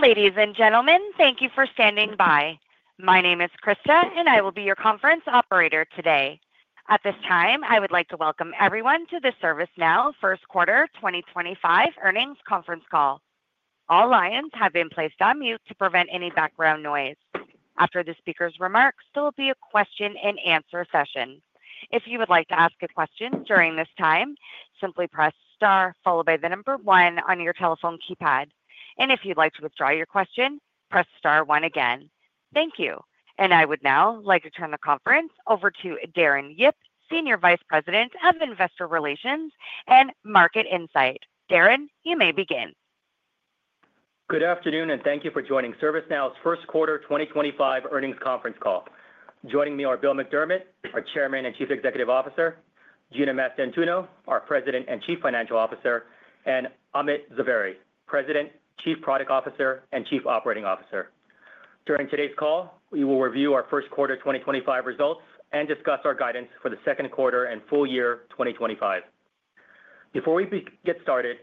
Ladies and gentlemen, thank you for standing by. My name is Krista, and I will be your conference operator today. At this time, I would like to welcome everyone to the ServiceNow First Quarter 2025 Earnings Conference Call. All lines have been placed on mute to prevent any background noise. After the speaker's remarks, there will be a question-and-answer session. If you would like to ask a question during this time, simply press star followed by the number one on your telephone keypad. If you'd like to withdraw your question, press star one again. Thank you. I would now like to turn the conference over to Darren Yip, Senior Vice President of Investor Relations and Market Insight. Darren, you may begin. Good afternoon, and thank you for joining ServiceNow's First Quarter 2025 Earnings Conference Call. Joining me are Bill McDermott, our Chairman and Chief Executive Officer; Gina Mastantuono, our President and Chief Financial Officer; and Amit Zavery, President, Chief Product Officer, and Chief Operating Officer. During today's call, we will review our First Quarter 2025 results and discuss our guidance for the Second Quarter and full year 2025. Before we get started,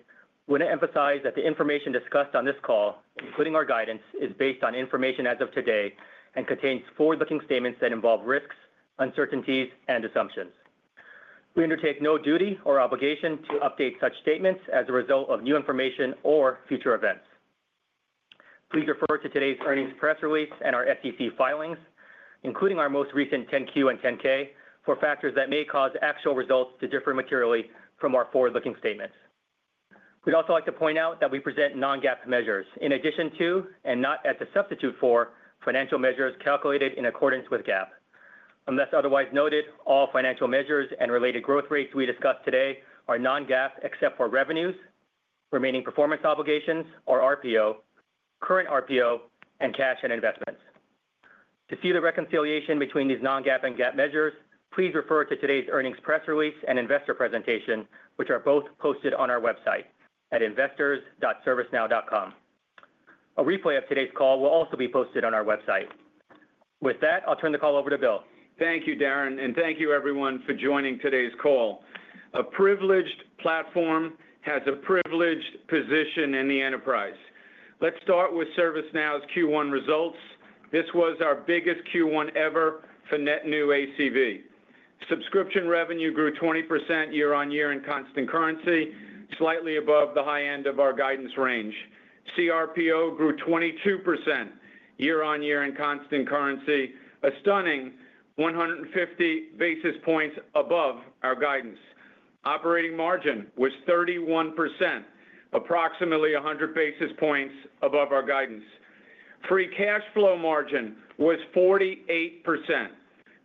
I want to emphasize that the information discussed on this call, including our guidance, is based on information as of today and contains forward-looking statements that involve risks, uncertainties, and assumptions. We undertake no duty or obligation to update such statements as a result of new information or future events. Please refer to today's earnings press release and our SEC filings, including our most recent 10Q and 10K, for factors that may cause actual results to differ materially from our forward-looking statements. We'd also like to point out that we present non-GAAP measures in addition to, and not as a substitute for, financial measures calculated in accordance with GAAP. Unless otherwise noted, all financial measures and related growth rates we discuss today are non-GAAP except for revenues, remaining performance obligations, or RPO, current RPO, and cash and investments. To see the reconciliation between these non-GAAP and GAAP measures, please refer to today's earnings press release and investor presentation, which are both posted on our website at investors.servicenow.com. A replay of today's call will also be posted on our website. With that, I'll turn the call over to Bill. Thank you, Darren, and thank you, everyone, for joining today's call. A privileged platform has a privileged position in the enterprise. Let's start with ServiceNow's Q1 results. This was our biggest Q1 ever for Net New ACV. Subscription revenue grew 20% year-on-year in constant currency, slightly above the high end of our guidance range. CRPO grew 22% year-on-year in constant currency, a stunning 150 basis points above our guidance. Operating margin was 31%, approximately 100 basis points above our guidance. Free cash flow margin was 48%,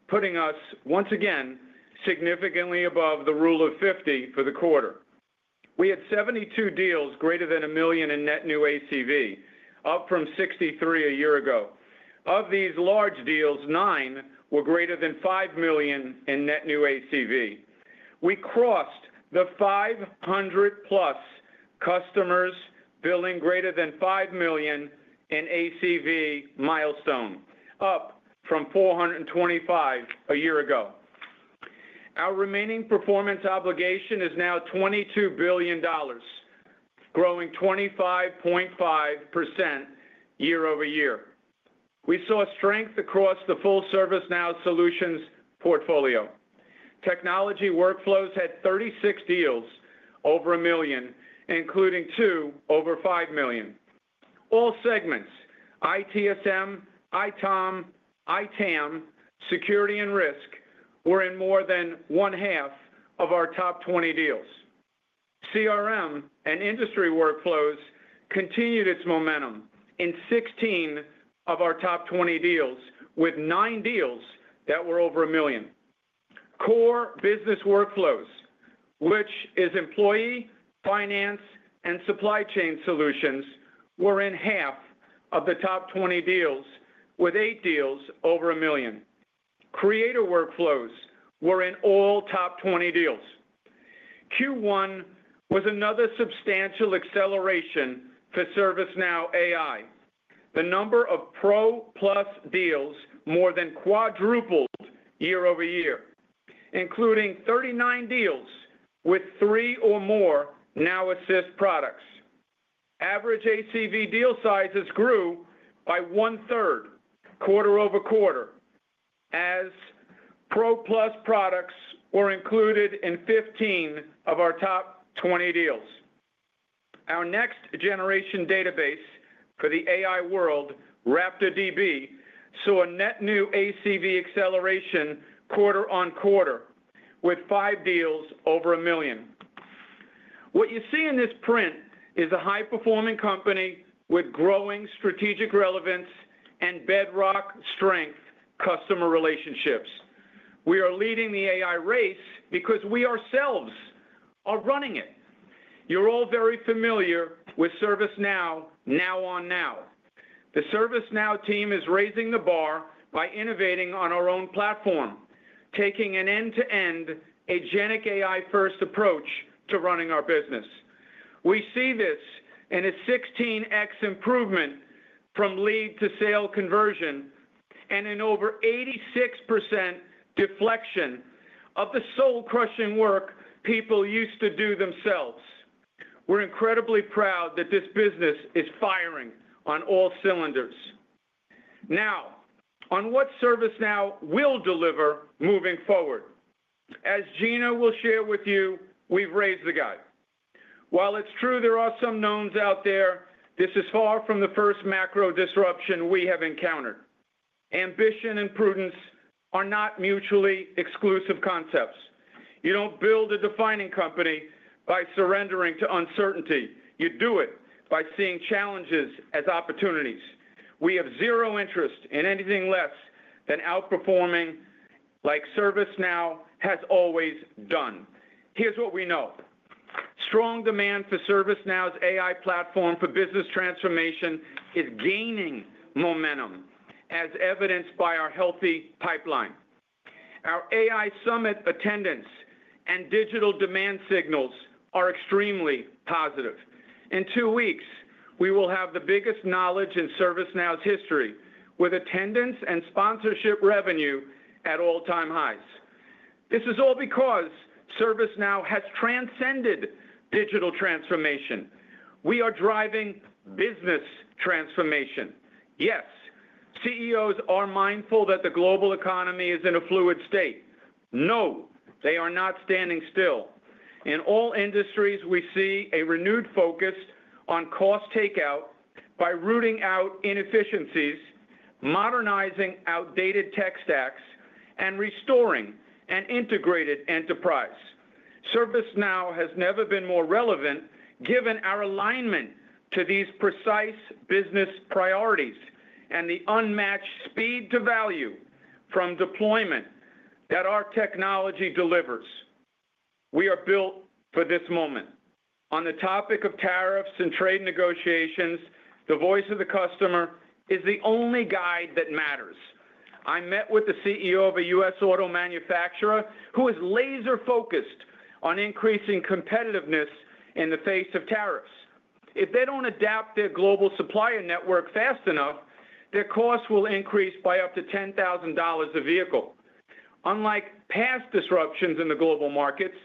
putting us once again significantly above the rule of 50 for the quarter. We had 72 deals greater than a million in Net New ACV, up from 63 a year ago. Of these large deals, nine were greater than 5 million in Net New ACV. We crossed the 500-plus customers billing greater than 5 million in ACV milestone, up from 425 a year ago. Our remaining performance obligation is now $22 billion, growing 25.5% year-over-year. We saw strength across the full ServiceNow solutions portfolio. Technology workflows had 36 deals over a million, including two over 5 million. All segments—ITSM, ITOM, ITAM, security and risk—were in more than one-half of our top 20 deals. CRM and industry workflows continued its momentum in 16 of our top 20 deals, with nine deals that were over a million. Core business workflows, which are employee, finance, and supply chain solutions, were in half of the top 20 deals, with eight deals over a million. Creator workflows were in all top 20 deals. Q1 was another substantial acceleration for ServiceNow AI. The number of Pro Plus deals more than quadrupled year-over-year, including 39 deals with three or more Now Assist products. Average ACV deal sizes grew by one-third quarter over quarter as Pro Plus products were included in 15 of our top 20 deals. Our next generation database for the AI world, RaptorDB, saw a Net New ACV acceleration quarter on quarter with five deals over $1 million. What you see in this print is a high-performing company with growing strategic relevance and bedrock strength customer relationships. We are leading the AI race because we ourselves are running it. You're all very familiar with ServiceNow Now on Now. The ServiceNow team is raising the bar by innovating on our own platform, taking an end-to-end agentic AI-first approach to running our business. We see this in a 16x improvement from lead-to-sale conversion and in over 86% deflection of the soul-crushing work people used to do themselves. We're incredibly proud that this business is firing on all cylinders. Now, on what ServiceNow will deliver moving forward, as Gina will share with you, we've raised the guide. While it's true there are some knowns out there, this is far from the first macro disruption we have encountered. Ambition and prudence are not mutually exclusive concepts. You don't build a defining company by surrendering to uncertainty. You do it by seeing challenges as opportunities. We have zero interest in anything less than outperforming like ServiceNow has always done. Here's what we know: strong demand for ServiceNow's AI platform for business transformation is gaining momentum, as evidenced by our healthy pipeline. Our AI Summit attendance and digital demand signals are extremely positive. In two weeks, we will have the biggest Knowledge24 in ServiceNow's history, with attendance and sponsorship revenue at all-time highs. This is all because ServiceNow has transcended digital transformation. We are driving business transformation. Yes, CEOs are mindful that the global economy is in a fluid state. No, they are not standing still. In all industries, we see a renewed focus on cost takeout by rooting out inefficiencies, modernizing outdated tech stacks, and restoring an integrated enterprise. ServiceNow has never been more relevant, given our alignment to these precise business priorities and the unmatched speed to value from deployment that our technology delivers. We are built for this moment. On the topic of tariffs and trade negotiations, the voice of the customer is the only guide that matters. I met with the CEO of a U.S. auto manufacturer who is laser-focused on increasing competitiveness in the face of tariffs. If they do not adapt their global supplier network fast enough, their costs will increase by up to $10,000 a vehicle. Unlike past disruptions in the global markets,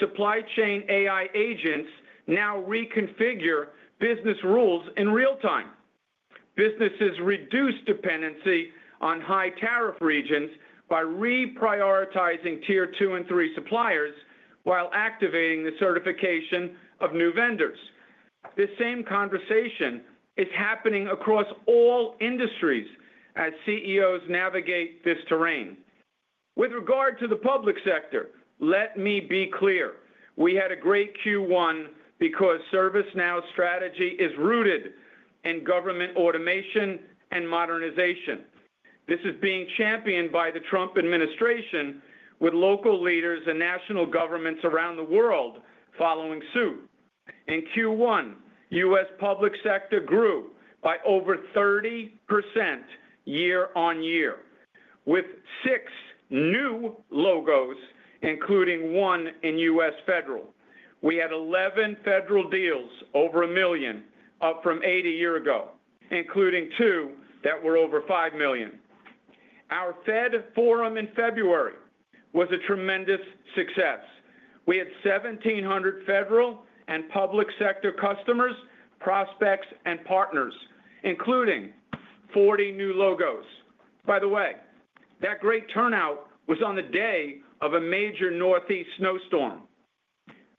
supply chain AI agents now reconfigure business rules in real time. Businesses reduce dependency on high tariff regions by reprioritizing tier two and three suppliers while activating the certification of new vendors. This same conversation is happening across all industries as CEOs navigate this terrain. With regard to the public sector, let me be clear: we had a great Q1 because ServiceNow's strategy is rooted in government automation and modernization. This is being championed by the current administration, with local leaders and national governments around the world following suit. In Q1, U.S. public sector grew by over 30% year-on-year, with six new logos, including one in U.S. Federal. We had 11 federal deals over $1 million, up from eight a year ago, including two that were over $5 million. Our Fed Forum in February was a tremendous success. We had 1,700 federal and public sector customers, prospects, and partners, including 40 new logos. By the way, that great turnout was on the day of a major Northeast snowstorm.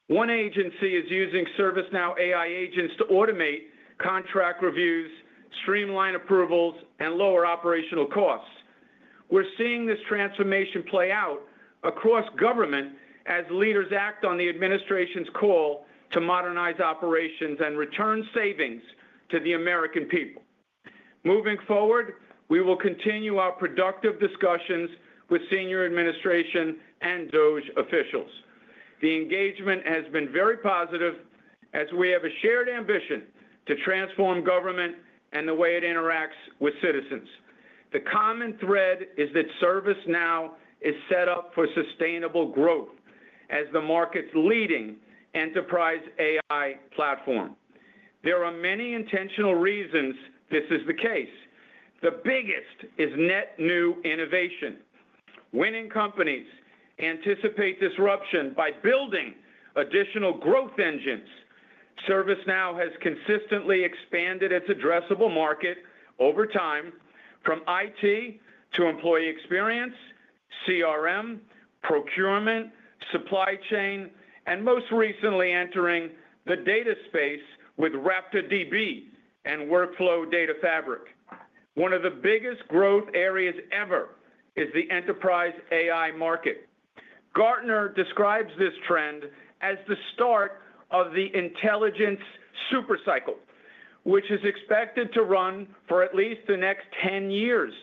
One agency is using ServiceNow AI agents to automate contract reviews, streamline approvals, and lower operational costs. We're seeing this transformation play out across government as leaders act on the administration's call to modernize operations and return savings to the American people. Moving forward, we will continue our productive discussions with senior administration and DOJ officials. The engagement has been very positive as we have a shared ambition to transform government and the way it interacts with citizens. The common thread is that ServiceNow is set up for sustainable growth as the market's leading enterprise AI platform. There are many intentional reasons this is the case. The biggest is net new innovation. Winning companies anticipate disruption by building additional growth engines. ServiceNow has consistently expanded its addressable market over time, from IT to employee experience, CRM, procurement, supply chain, and most recently entering the data space with RaptorDB and Workflow Data Fabric. One of the biggest growth areas ever is the enterprise AI market. Gartner describes this trend as the start of the intelligence supercycle, which is expected to run for at least the next 10 years.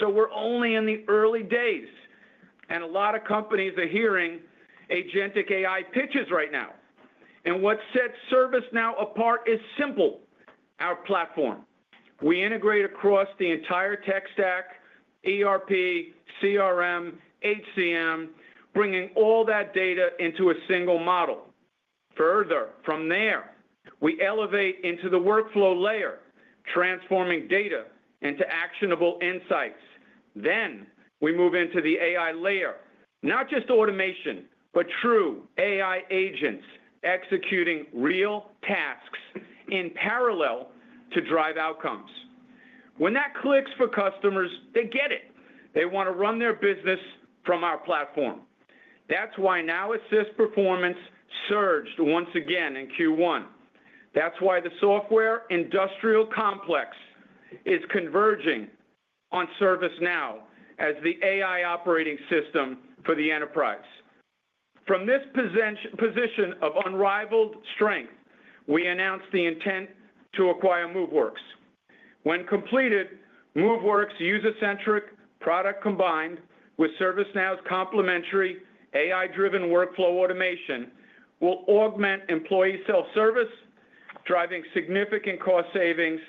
We are only in the early days, and a lot of companies are hearing agentic AI pitches right now. What sets ServiceNow apart is simple: our platform. We integrate across the entire tech stack, ERP, CRM, HCM, bringing all that data into a single model. Further from there, we elevate into the workflow layer, transforming data into actionable insights. We move into the AI layer, not just automation, but true AI agents executing real tasks in parallel to drive outcomes. When that clicks for customers, they get it. They want to run their business from our platform. That's why Now Assist performance surged once again in Q1. That's why the software industrial complex is converging on ServiceNow as the AI operating system for the enterprise. From this position of unrivaled strength, we announced the intent to acquire Moveworks. When completed, Moveworks user-centric product combined with ServiceNow's complementary AI-driven workflow automation will augment employee self-service, driving significant cost savings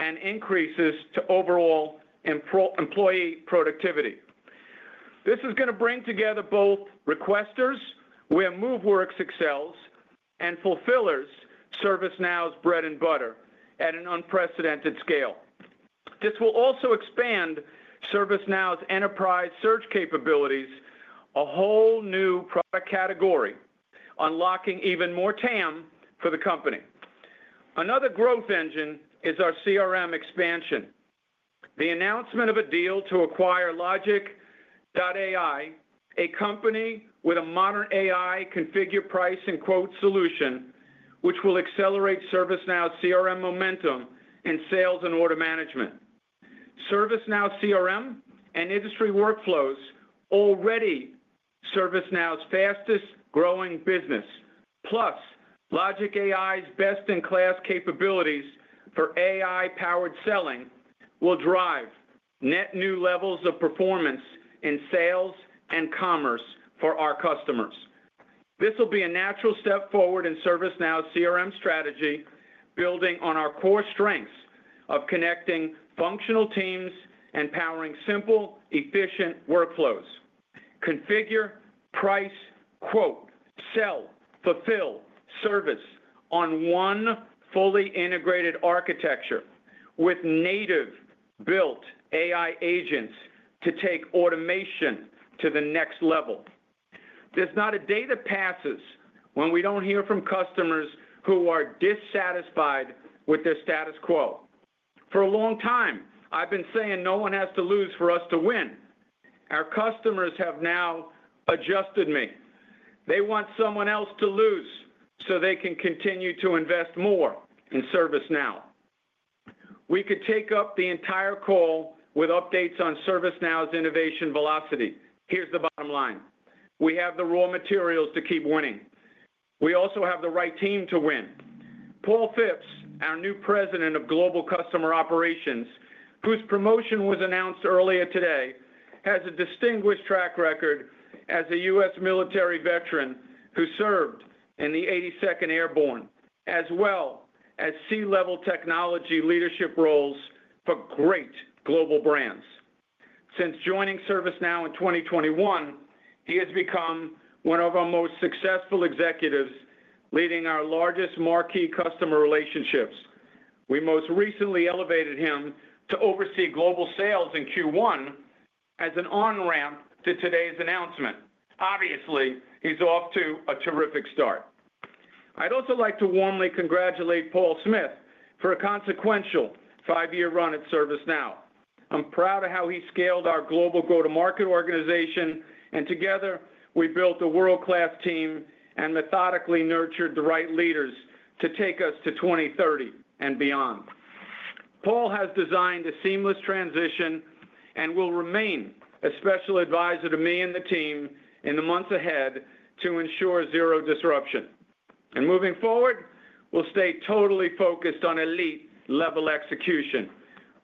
and increases to overall employee productivity. This is going to bring together both requesters, where Moveworks excels, and fulfillers, ServiceNow's bread and butter, at an unprecedented scale. This will also expand ServiceNow's enterprise search capabilities, a whole new product category, unlocking even more TAM for the company. Another growth engine is our CRM expansion. The announcement of a deal to acquire Logic.AI, a company with a modern AI configure price and quote solution, which will accelerate ServiceNow's CRM momentum in sales and order management. ServiceNow's CRM and industry workflows, already ServiceNow's fastest growing business, plus Logic.AI's best-in-class capabilities for AI-powered selling, will drive net new levels of performance in sales and commerce for our customers. This will be a natural step forward in ServiceNow's CRM strategy, building on our core strengths of connecting functional teams and powering simple, efficient workflows. Configure, price, quote, sell, fulfill, service on one fully integrated architecture with native built AI agents to take automation to the next level. There's not a day that passes when we don't hear from customers who are dissatisfied with their status quo. For a long time, I've been saying no one has to lose for us to win. Our customers have now adjusted me. They want someone else to lose so they can continue to invest more in ServiceNow. We could take up the entire call with updates on ServiceNow's innovation velocity. Here's the bottom line. We have the raw materials to keep winning. We also have the right team to win. Paul Phipps, our new President of Global Customer Operations, whose promotion was announced earlier today, has a distinguished track record as a U.S. military veteran who served in the 82nd Airborne, as well as C-level technology leadership roles for great global brands. Since joining ServiceNow in 2021, he has become one of our most successful executives, leading our largest marquee customer relationships. We most recently elevated him to oversee global sales in Q1 as an on-ramp to today's announcement. Obviously, he's off to a terrific start. I'd also like to warmly congratulate Paul Smith for a consequential five-year run at ServiceNow. I'm proud of how he scaled our Global Go-to-Market organization, and together we built a world-class team and methodically nurtured the right leaders to take us to 2030 and beyond. Paul has designed a seamless transition and will remain a special advisor to me and the team in the months ahead to ensure zero disruption. Moving forward, we'll stay totally focused on elite-level execution,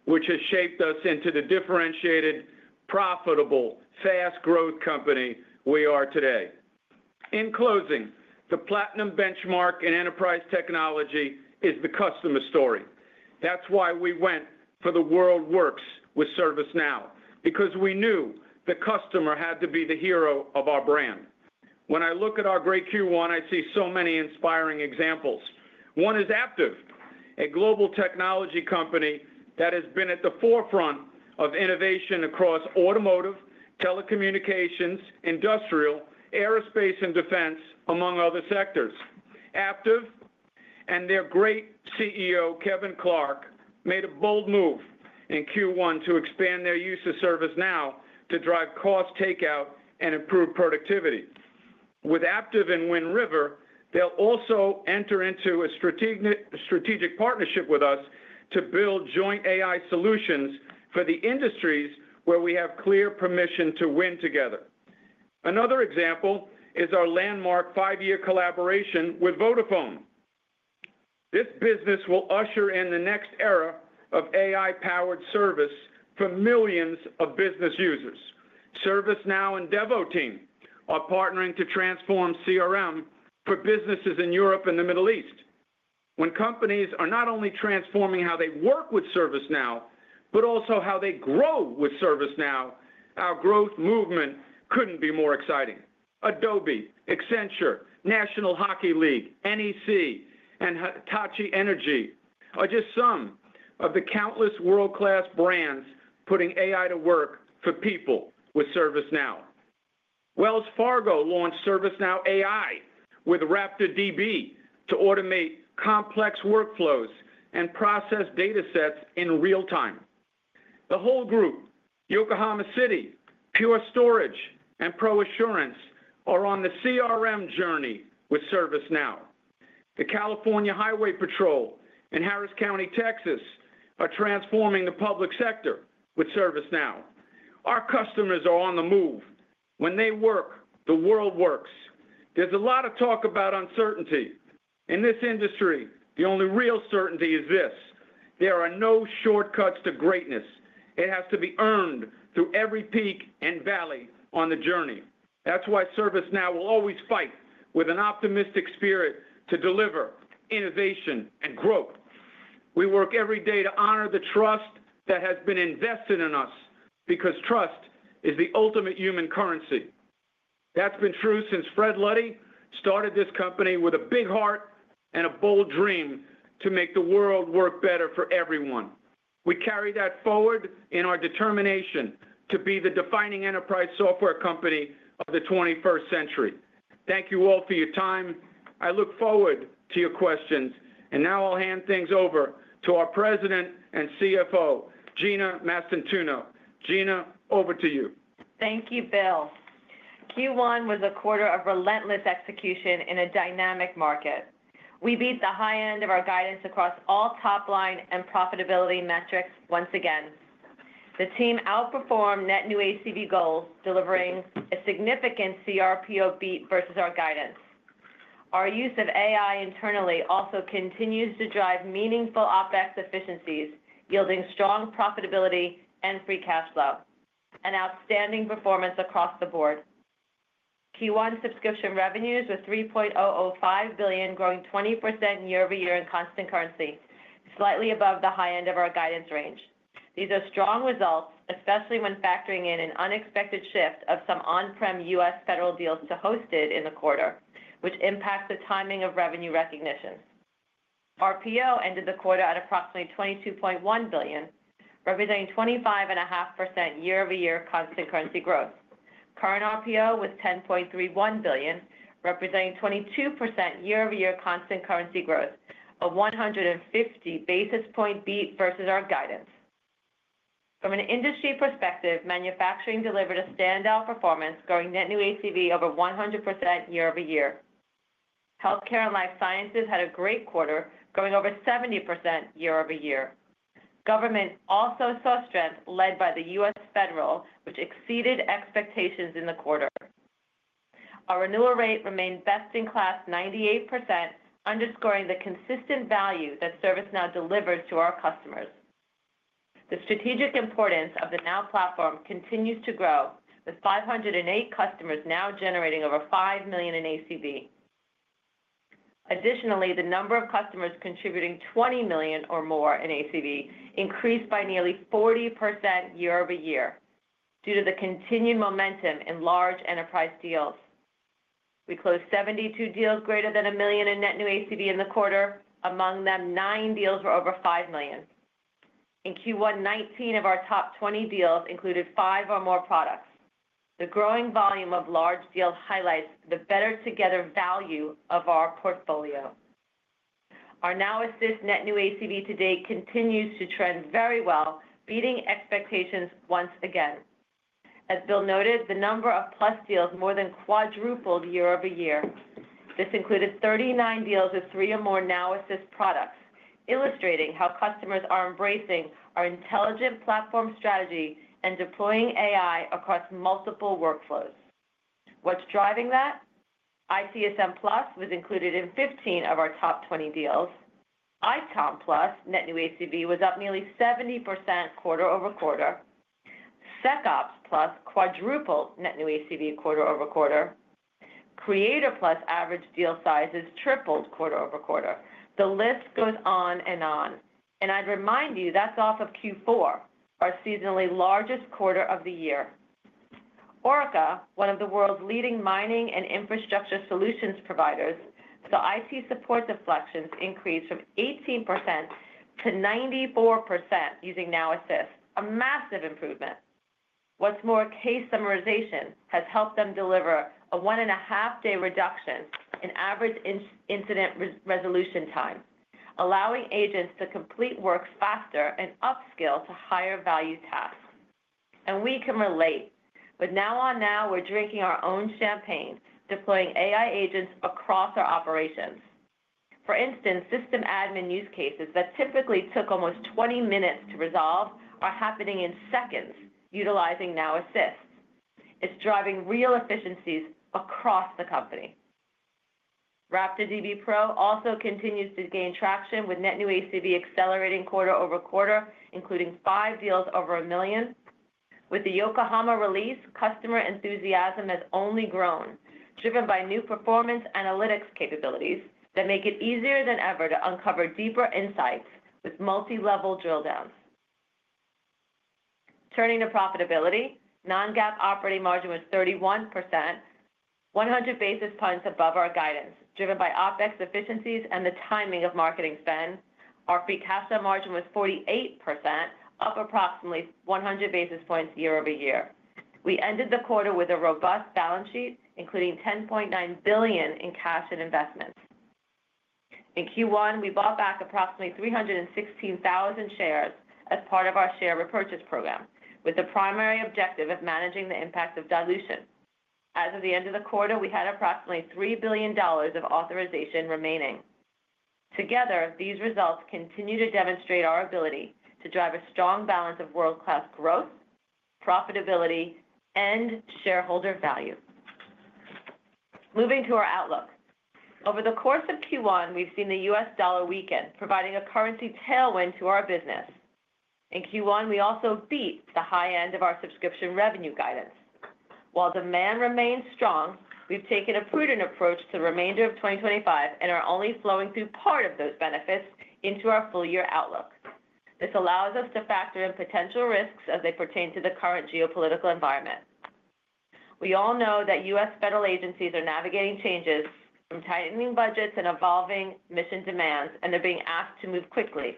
which has shaped us into the differentiated, profitable, fast-growth company we are today. In closing, the platinum benchmark in enterprise technology is the customer story. That's why we went for the world works with ServiceNow, because we knew the customer had to be the hero of our brand. When I look at our great Q1, I see so many inspiring examples. One is Aptiv, a global technology company that has been at the forefront of innovation across automotive, telecommunications, industrial, aerospace, and defense, among other sectors. Aptiv and their great CEO, Kevin Clark, made a bold move in Q1 to expand their use of ServiceNow to drive cost takeout and improve productivity. With Aptiv and Wind River, they'll also enter into a strategic partnership with us to build joint AI solutions for the industries where we have clear permission to win together. Another example is our landmark five-year collaboration with Vodafone. This business will usher in the next era of AI-powered service for millions of business users. ServiceNow and Devoteam are partnering to transform CRM for businesses in Europe and the Middle East. When companies are not only transforming how they work with ServiceNow, but also how they grow with ServiceNow, our growth movement couldn't be more exciting. Adobe, Accenture, National Hockey League, NEC, and Hitachi Energy are just some of the countless world-class brands putting AI to work for people with ServiceNow. Wells Fargo launched ServiceNow AI with RaptorDB to automate complex workflows and process data sets in real time. The whole group, Yokohama City, Pure Storage, and ProAssurance, are on the CRM journey with ServiceNow. The California Highway Patrol and Harris County, Texas, are transforming the public sector with ServiceNow. Our customers are on the move. When they work, the world works. There's a lot of talk about uncertainty. In this industry, the only real certainty is this: there are no shortcuts to greatness. It has to be earned through every peak and valley on the journey. That's why ServiceNow will always fight with an optimistic spirit to deliver innovation and growth. We work every day to honor the trust that has been invested in us, because trust is the ultimate human currency. That's been true since Fred Luddy started this company with a big heart and a bold dream to make the world work better for everyone. We carry that forward in our determination to be the defining enterprise software company of the 21st century. Thank you all for your time. I look forward to your questions. Now I'll hand things over to our President and CFO, Gina Mastantuono. Gina, over to you. Thank you, Bill. Q1 was a quarter of relentless execution in a dynamic market. We beat the high end of our guidance across all top-line and profitability metrics once again. The team outperformed net new ACV goals, delivering a significant CRPO beat versus our guidance. Our use of AI internally also continues to drive meaningful OpEx efficiencies, yielding strong profitability and free cash flow. An outstanding performance across the board. Q1 subscription revenues were $3.005 billion, growing 20% year-over-year in constant currency, slightly above the high end of our guidance range. These are strong results, especially when factoring in an unexpected shift of some on-prem U.S. federal deals to hosted in the quarter, which impacts the timing of revenue recognition. RPO ended the quarter at approximately $22.1 billion, representing 25.5% year-over-year constant currency growth. Current RPO was $10.31 billion, representing 22% year-over-year constant currency growth, a 150 basis point beat versus our guidance. From an industry perspective, manufacturing delivered a standout performance, growing net new ACV over 100% year-over-year. Healthcare and life sciences had a great quarter, growing over 70% year-over-year. Government also saw strength led by the U.S. Federal, which exceeded expectations in the quarter. Our renewal rate remained best-in-class, 98%, underscoring the consistent value that ServiceNow delivers to our customers. The strategic importance of the Now platform continues to grow, with 508 customers now generating over $5 million in ACV. Additionally, the number of customers contributing $20 million or more in ACV increased by nearly 40% year-over-year due to the continued momentum in large enterprise deals. We closed 72 deals greater than $1 million in net new ACV in the quarter. Among them, nine deals were over $5 million. In Q1, 19 of our top 20 deals included five or more products. The growing volume of large deals highlights the better-together value of our portfolio. Our Now Assist net new ACV to date continues to trend very well, beating expectations once again. As Bill noted, the number of Plus deals more than quadrupled year-over-year. This included 39 deals with three or more Now Assist products, illustrating how customers are embracing our intelligent platform strategy and deploying AI across multiple workflows. What's driving that? ITSM Plus was included in 15 of our top 20 deals. ITOM Plus net new ACV was up nearly 70% quarter over quarter. SecOps Plus quadrupled net new ACV quarter over quarter. Creator Plus average deal sizes tripled quarter over quarter. The list goes on and on. I'd remind you, that's off of Q4, our seasonally largest quarter of the year. ORCA, one of the world's leading mining and infrastructure solutions providers, saw IT support deflections increase from 18% to 94% using Now Assist, a massive improvement. What's more, case summarization has helped them deliver a one-and-a-half-day reduction in average incident resolution time, allowing agents to complete work faster and upscale to higher-value tasks. We can relate. With Now on Now, we're drinking our own champagne, deploying AI agents across our operations. For instance, system admin use cases that typically took almost 20 minutes to resolve are happening in seconds utilizing Now Assist. It's driving real efficiencies across the company. RaptorDB Pro also continues to gain traction with net new ACV accelerating quarter over quarter, including five deals over $1 million. With the Yokohama release, customer enthusiasm has only grown, driven by new performance analytics capabilities that make it easier than ever to uncover deeper insights with multi-level drill downs. Turning to profitability, non-GAAP operating margin was 31%, 100 basis points above our guidance, driven by OpEx efficiencies and the timing of marketing spend. Our free cash flow margin was 48%, up approximately 100 basis points year-over-year. We ended the quarter with a robust balance sheet, including $10.9 billion in cash and investments. In Q1, we bought back approximately 316,000 shares as part of our share repurchase program, with the primary objective of managing the impact of dilution. As of the end of the quarter, we had approximately $3 billion of authorization remaining. Together, these results continue to demonstrate our ability to drive a strong balance of world-class growth, profitability, and shareholder value. Moving to our outlook. Over the course of Q1, we've seen the U.S. dollar weaken, providing a currency tailwind to our business. In Q1, we also beat the high end of our subscription revenue guidance. While demand remains strong, we've taken a prudent approach to the remainder of 2025 and are only flowing through part of those benefits into our full-year outlook. This allows us to factor in potential risks as they pertain to the current geopolitical environment. We all know that U.S. Federal agencies are navigating changes from tightening budgets and evolving mission demands, and they're being asked to move quickly.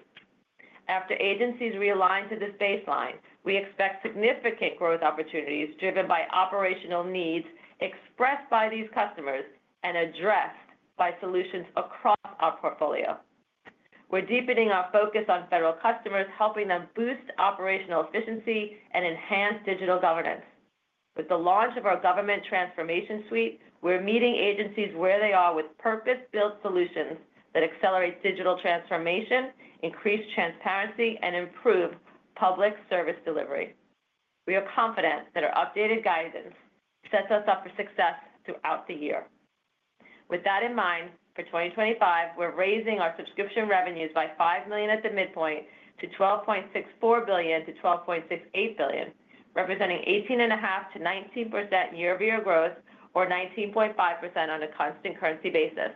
After agencies realign to this baseline, we expect significant growth opportunities driven by operational needs expressed by these customers and addressed by solutions across our portfolio. We're deepening our focus on federal customers, helping them boost operational efficiency and enhance digital governance. With the launch of our Government Transformation Suite, we're meeting agencies where they are with purpose-built solutions that accelerate digital transformation, increase transparency, and improve public service delivery. We are confident that our updated guidance sets us up for success throughout the year. With that in mind, for 2025, we're raising our subscription revenues by $5 million at the midpoint to $12.64 billion to $12.68 billion, representing 18.5% to 19% year-over-year growth, or 19.5% on a constant currency basis.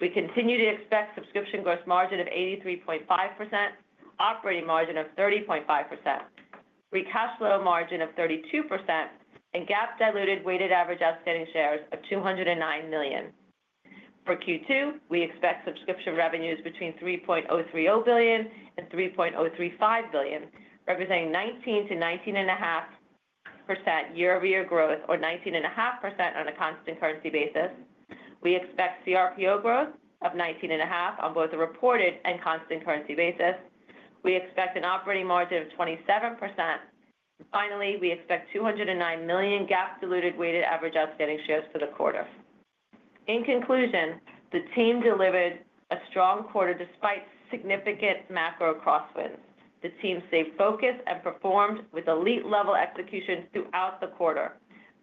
We continue to expect subscription gross margin of 83.5%, operating margin of 30.5%, free cash flow margin of 32%, and GAAP diluted weighted average outstanding shares of $209 million. For Q2, we expect subscription revenues between $3.030 billion and $3.035 billion, representing 19% to 19.5% year-over-year growth, or 19.5% on a constant currency basis. We expect CRPO growth of 19.5% on both a reported and constant currency basis. We expect an operating margin of 27%. Finally, we expect $209 million GAAP diluted weighted average outstanding shares for the quarter. In conclusion, the team delivered a strong quarter despite significant macro crosswinds. The team stayed focused and performed with elite-level execution throughout the quarter.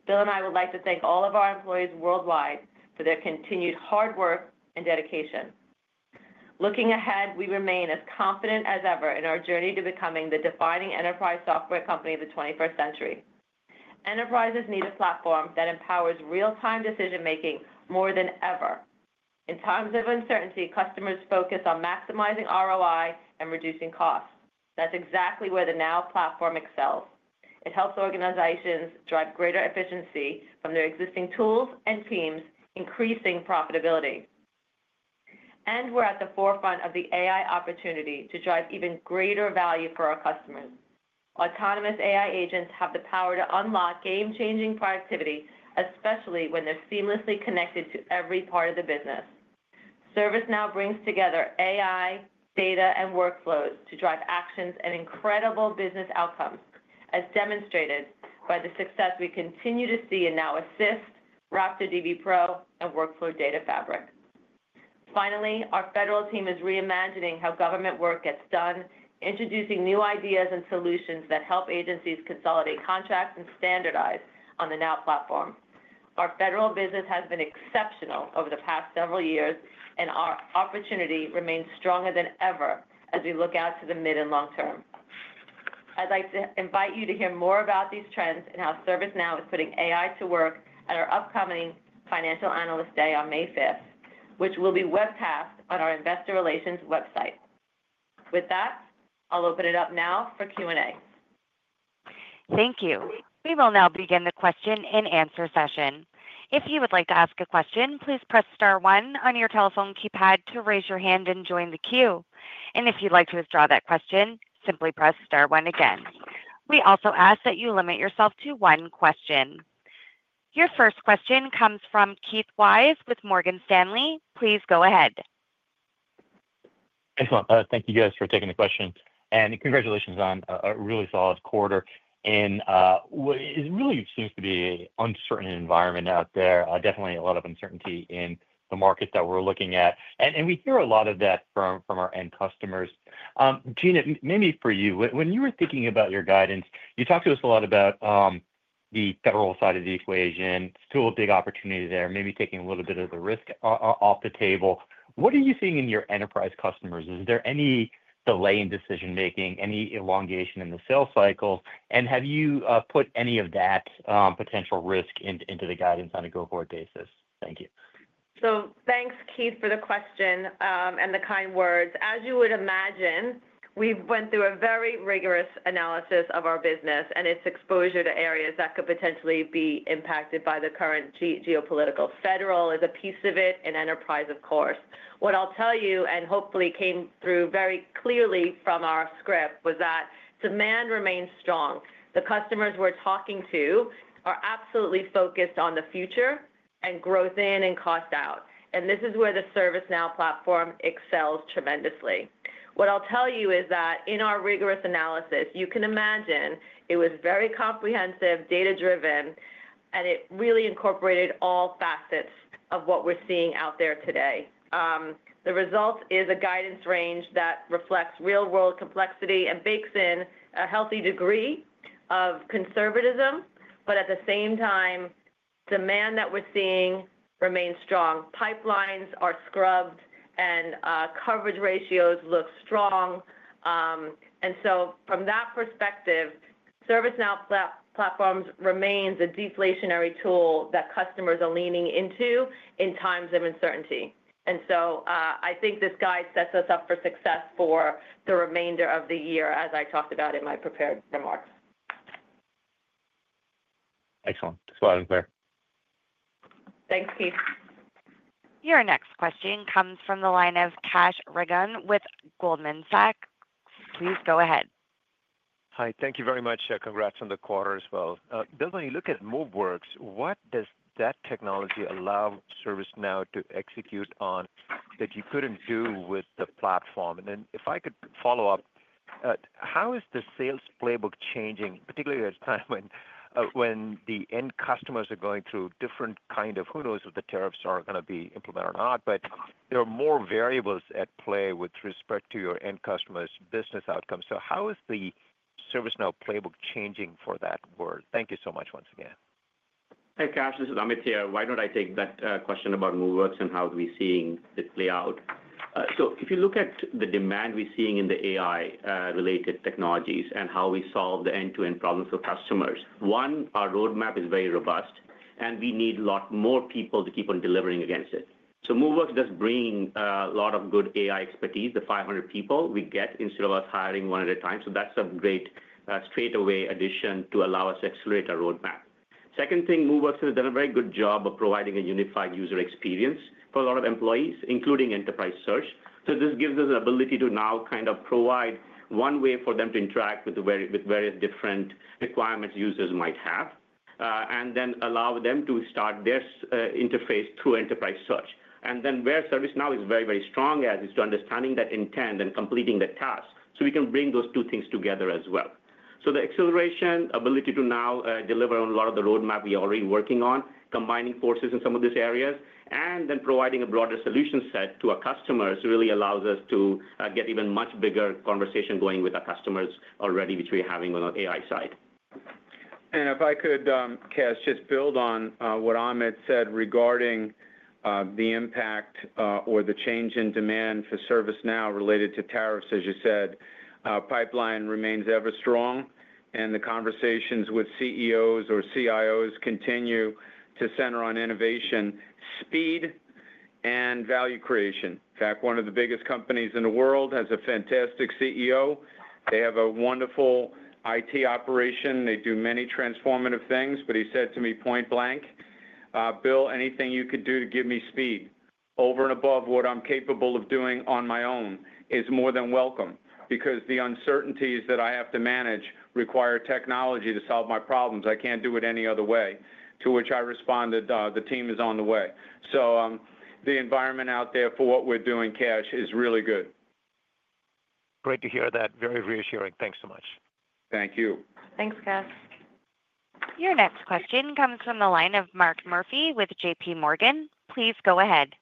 Bill and I would like to thank all of our employees worldwide for their continued hard work and dedication. Looking ahead, we remain as confident as ever in our journey to becoming the defining enterprise software company of the 21st century. Enterprises need a platform that empowers real-time decision-making more than ever. In times of uncertainty, customers focus on maximizing ROI and reducing costs. That is exactly where the Now platform excels. It helps organizations drive greater efficiency from their existing tools and teams, increasing profitability. We are at the forefront of the AI opportunity to drive even greater value for our customers. Autonomous AI agents have the power to unlock game-changing productivity, especially when they are seamlessly connected to every part of the business. ServiceNow brings together AI, data, and workflows to drive actions and incredible business outcomes, as demonstrated by the success we continue to see in Now Assist, RaptorDB Pro, and Workflow Data Fabric. Finally, our federal team is reimagining how government work gets done, introducing new ideas and solutions that help agencies consolidate contracts and standardize on the Now platform. Our federal business has been exceptional over the past several years, and our opportunity remains stronger than ever as we look out to the mid and long term. I'd like to invite you to hear more about these trends and how ServiceNow is putting AI to work at our upcoming financial analyst day on May 5th, which will be webcast on our investor relations website. With that, I'll open it up now for Q&A. Thank you. We will now begin the question and answer session. If you would like to ask a question, please press star one on your telephone keypad to raise your hand and join the queue. If you'd like to withdraw that question, simply press star one again. We also ask that you limit yourself to one question. Your first question comes from Keith Weiss with Morgan Stanley. Please go ahead. Thanks, Mom. Thank you, guys, for taking the question. Congratulations on a really solid quarter. It really seems to be an uncertain environment out there, definitely a lot of uncertainty in the market that we're looking at. We hear a lot of that from our end customers. Gina, maybe for you, when you were thinking about your guidance, you talked to us a lot about the federal side of the equation, still a big opportunity there, maybe taking a little bit of the risk off the table. What are you seeing in your enterprise customers? Is there any delay in decision-making, any elongation in the sales cycle? Have you put any of that potential risk into the guidance on a go-forward basis? Thank you. Thanks, Keith, for the question and the kind words. As you would imagine, we went through a very rigorous analysis of our business and its exposure to areas that could potentially be impacted by the current geopolitical. Federal is a piece of it, and enterprise, of course. What I'll tell you, and hopefully came through very clearly from our script, was that demand remains strong. The customers we're talking to are absolutely focused on the future and growth in and cost out. This is where the ServiceNow platform excels tremendously. What I'll tell you is that in our rigorous analysis, you can imagine it was very comprehensive, data-driven, and it really incorporated all facets of what we're seeing out there today. The result is a guidance range that reflects real-world complexity and bakes in a healthy degree of conservatism. At the same time, demand that we're seeing remains strong. Pipelines are scrubbed, and coverage ratios look strong. From that perspective, ServiceNow platforms remain the deflationary tool that customers are leaning into in times of uncertainty. I think this guide sets us up for success for the remainder of the year, as I talked about in my prepared remarks. Excellent. Thanks a lot, Ms. Blair. Thanks, Keith. Your next question comes from the line of Kash Rangan with Goldman Sachs. Please go ahead. Hi. Thank you very much. Congrats on the quarter as well. Bill, when you look at Moveworks, what does that technology allow ServiceNow to execute on that you couldn't do with the platform? If I could follow up, how is the sales playbook changing, particularly at a time when the end customers are going through different kinds of, who knows if the tariffs are going to be implemented or not, but there are more variables at play with respect to your end customers' business outcomes. How is the ServiceNow playbook changing for that world? Thank you so much once again. Hey, Cash. This is Amit here. Why don't I take that question about Moveworks and how we're seeing it play out? If you look at the demand we're seeing in the AI-related technologies and how we solve the end-to-end problems for customers, one, our roadmap is very robust, and we need a lot more people to keep on delivering against it. Moveworks does bring a lot of good AI expertise, the 500 people we get instead of us hiring one at a time. That's a great straightaway addition to allow us to accelerate our roadmap. Second thing, Moveworks has done a very good job of providing a unified user experience for a lot of employees, including enterprise search. This gives us an ability to now kind of provide one way for them to interact with various different requirements users might have, and then allow them to start their interface through enterprise search. Where ServiceNow is very, very strong at is understanding that intent and completing the task. We can bring those two things together as well. The acceleration ability to now deliver on a lot of the roadmap we are already working on, combining forces in some of these areas, and then providing a broader solution set to our customers really allows us to get even a much bigger conversation going with our customers already, which we're having on our AI side. If I could, Cash, just build on what Amit said regarding the impact or the change in demand for ServiceNow related to tariffs, as you said, pipeline remains ever strong, and the conversations with CEOs or CIOs continue to center on innovation, speed, and value creation. In fact, one of the biggest companies in the world has a fantastic CEO. They have a wonderful IT operation. They do many transformative things, but he said to me point-blank, "Bill, anything you could do to give me speed over and above what I'm capable of doing on my own is more than welcome because the uncertainties that I have to manage require technology to solve my problems. I can't do it any other way," to which I responded, "The team is on the way." The environment out there for what we're doing, Cash, is really good. Great to hear that. Very reassuring. Thanks so much. Thank you. Thanks, Cash. Your next question comes from the line of Mark Murphy with JPMorgan. Please go ahead.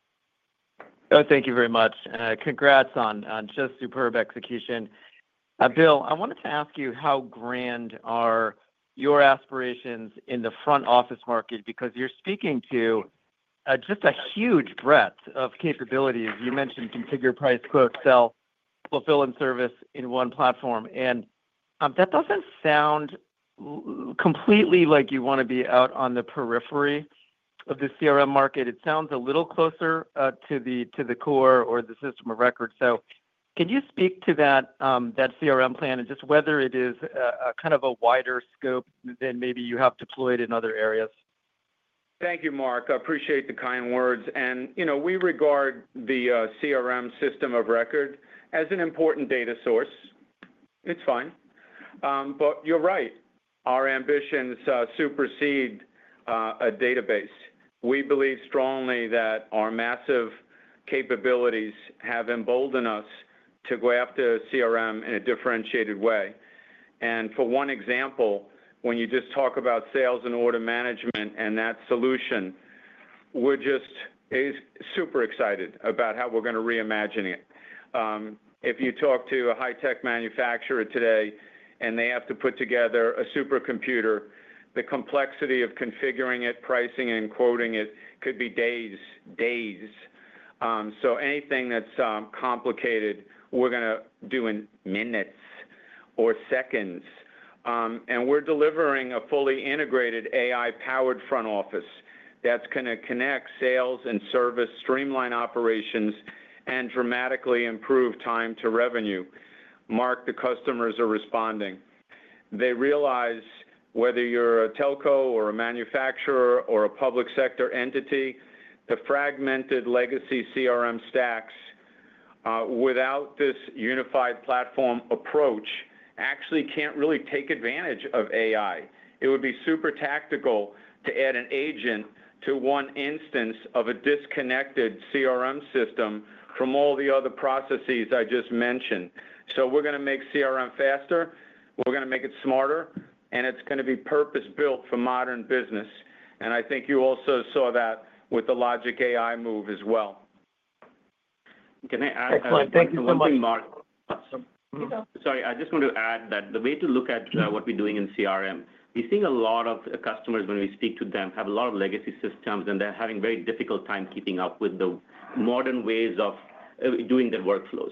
Thank you very much. Congrats on just superb execution. Bill, I wanted to ask you how grand are your aspirations in the front office market because you're speaking to just a huge breadth of capabilities. You mentioned configure, price, quote, sell, fulfill, and service in one platform. That does not sound completely like you want to be out on the periphery of the CRM market. It sounds a little closer to the core or the system of record. Can you speak to that CRM plan and just whether it is kind of a wider scope than maybe you have deployed in other areas? Thank you, Mark. I appreciate the kind words. We regard the CRM system of record as an important data source. It is fine. You are right. Our ambitions supersede a database. We believe strongly that our massive capabilities have emboldened us to go after CRM in a differentiated way. For one example, when you just talk about sales and order management and that solution, we are just super excited about how we are going to reimagine it. If you talk to a high-tech manufacturer today and they have to put together a supercomputer, the complexity of configuring it, pricing, and quoting it could be days, days. Anything that's complicated, we're going to do in minutes or seconds. We're delivering a fully integrated AI-powered front office that's going to connect sales and service, streamline operations, and dramatically improve time to revenue. Mark, the customers are responding. They realize whether you're a telco or a manufacturer or a public sector entity, the fragmented legacy CRM stacks without this unified platform approach actually can't really take advantage of AI. It would be super tactical to add an agent to one instance of a disconnected CRM system from all the other processes I just mentioned. We're going to make CRM faster. We're going to make it smarter, and it's going to be purpose-built for modern business. I think you also saw that with the Logic.AI move as well. Can I add? Excellent. Thank you so much, Mark. Sorry. I just want to add that the way to look at what we're doing in CRM, we're seeing a lot of customers when we speak to them have a lot of legacy systems, and they're having a very difficult time keeping up with the modern ways of doing their workflows.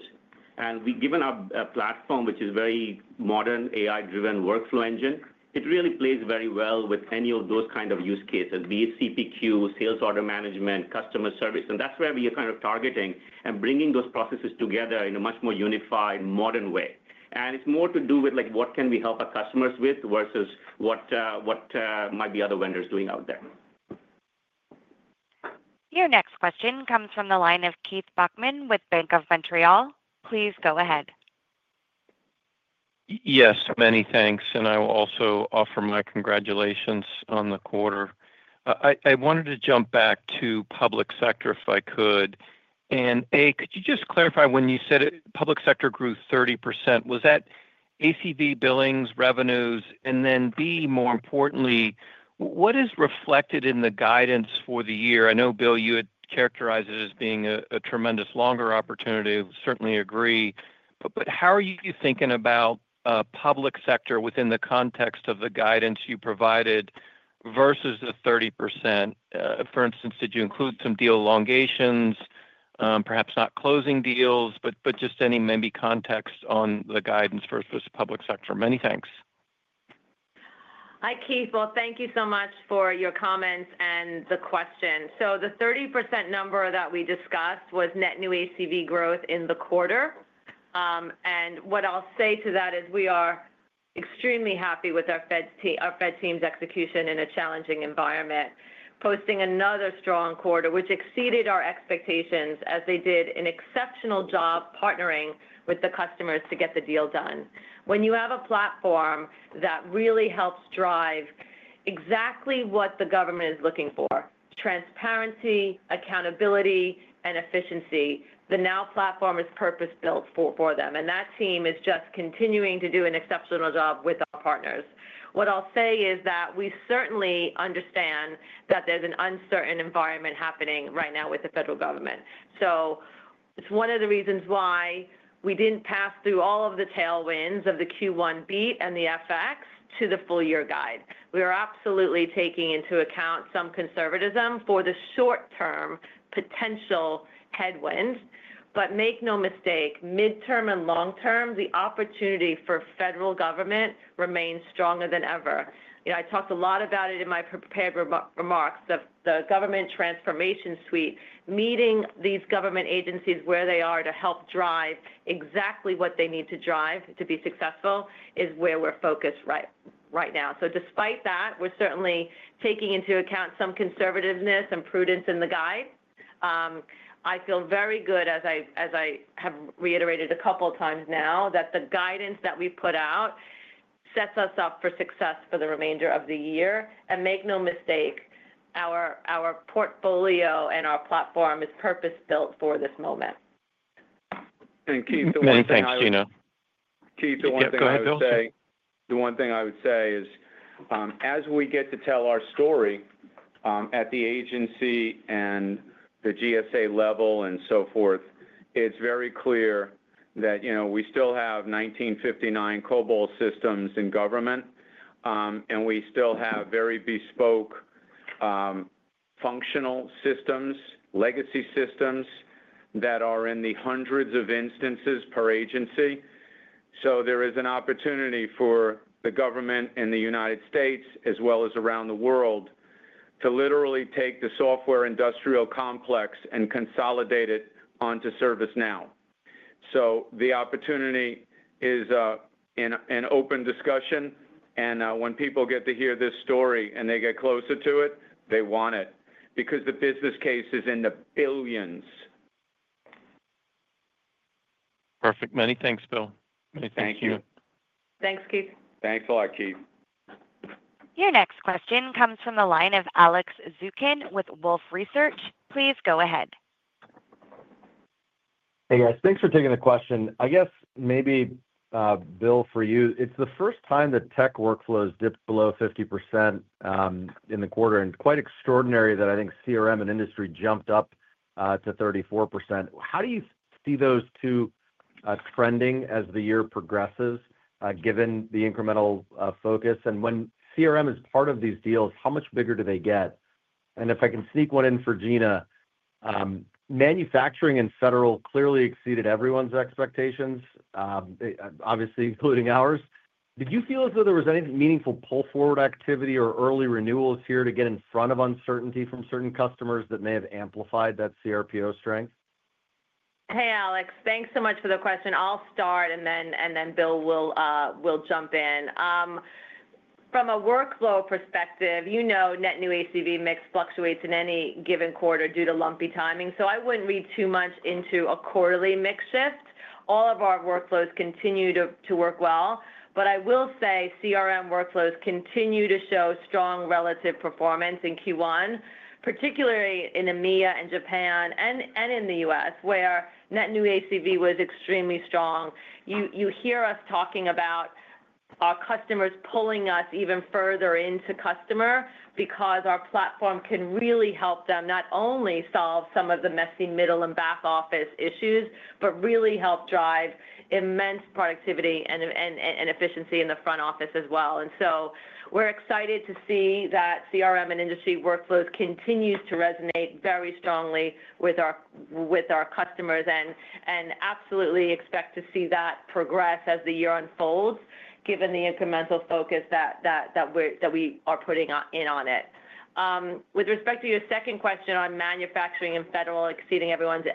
Given our platform, which is a very modern AI-driven workflow engine, it really plays very well with any of those kinds of use cases, be it CPQ, sales order management, customer service. That's where we are kind of targeting and bringing those processes together in a much more unified, modern way. It's more to do with what can we help our customers with versus what might be other vendors doing out there. Your next question comes from the line of Keith Bachman with Bank of Montreal. Please go ahead. Yes. Many thanks. And I will also offer my congratulations on the quarter. I wanted to jump back to public sector if I could. A, could you just clarify when you said public sector grew 30%? Was that ACV, billings, revenues, and then B, more importantly, what is reflected in the guidance for the year? I know, Bill, you had characterized it as being a tremendous longer opportunity. I certainly agree. How are you thinking about public sector within the context of the guidance you provided versus the 30%? For instance, did you include some deal elongations, perhaps not closing deals, but just any maybe context on the guidance versus public sector? Many thanks. Hi, Keith. Thank you so much for your comments and the question. The 30% number that we discussed was net new ACV growth in the quarter. What I'll say to that is we are extremely happy with our Fed team's execution in a challenging environment, posting another strong quarter, which exceeded our expectations as they did an exceptional job partnering with the customers to get the deal done. When you have a platform that really helps drive exactly what the government is looking for: transparency, accountability, and efficiency, the Now Platform is purpose-built for them. That team is just continuing to do an exceptional job with our partners. What I'll say is that we certainly understand that there's an uncertain environment happening right now with the federal government. It is one of the reasons why we did not pass through all of the tailwinds of the Q1 beat and the FX to the full-year guide. We are absolutely taking into account some conservatism for the short-term potential headwinds. Make no mistake, midterm and long-term, the opportunity for federal government remains stronger than ever. I talked a lot about it in my prepared remarks. The Government Transformation Suite, meeting these government agencies where they are to help drive exactly what they need to drive to be successful, is where we're focused right now. Despite that, we're certainly taking into account some conservativeness and prudence in the guide. I feel very good, as I have reiterated a couple of times now, that the guidance that we've put out sets us up for success for the remainder of the year. Make no mistake, our portfolio and our platform is purpose-built for this moment. Keith, the one thing I would say is, as we get to tell our story at the agency and the GSA level and so forth, it's very clear that we still have 1959 Cobalt systems in government, and we still have very bespoke functional systems, legacy systems that are in the hundreds of instances per agency. There is an opportunity for the government in the United States, as well as around the world, to literally take the software industrial complex and consolidate it onto ServiceNow. The opportunity is an open discussion. When people get to hear this story and they get closer to it, they want it because the business case is in the billions. Perfect. Many thanks, Bill. Many thanks, Keith. Thank you. Thanks, Keith. Thanks a lot, Keith. Your next question comes from the line of Alex Zukin with Wolfe Research. Please go ahead. Hey, guys. Thanks for taking the question. I guess maybe, Bill, for you, it's the first time that tech workflows dipped below 50% in the quarter. Quite extraordinary that I think CRM and industry jumped up to 34%. How do you see those two trending as the year progresses, given the incremental focus? When CRM is part of these deals, how much bigger do they get? If I can sneak one in for Gina, manufacturing and federal clearly exceeded everyone's expectations, obviously including ours. Did you feel as though there was any meaningful pull-forward activity or early renewals here to get in front of uncertainty from certain customers that may have amplified that CRPO strength? Hey, Alex. Thanks so much for the question. I'll start, and then Bill will jump in. From a workflow perspective, net new ACV mix fluctuates in any given quarter due to lumpy timing. I wouldn't read too much into a quarterly mix shift. All of our workflows continue to work well. I will say CRM workflows continue to show strong relative performance in Q1, particularly in EMEA and Japan and in the U.S., where net new ACV was extremely strong. You hear us talking about our customers pulling us even further into customer because our platform can really help them not only solve some of the messy middle and back office issues, but really help drive immense productivity and efficiency in the front office as well. We're excited to see that CRM and industry workflows continue to resonate very strongly with our customers and absolutely expect to see that progress as the year unfolds, given the incremental focus that we are putting in on it. With respect to your second question on manufacturing and federal exceeding everyone's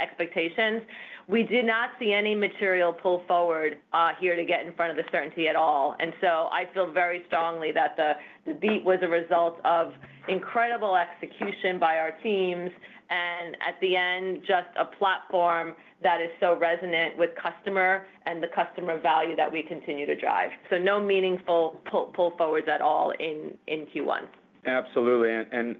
expectations, we do not see any material pull-forward here to get in front of the certainty at all. I feel very strongly that the beat was a result of incredible execution by our teams. At the end, just a platform that is so resonant with customer and the customer value that we continue to drive. No meaningful pull-forwards at all in Q1. Absolutely.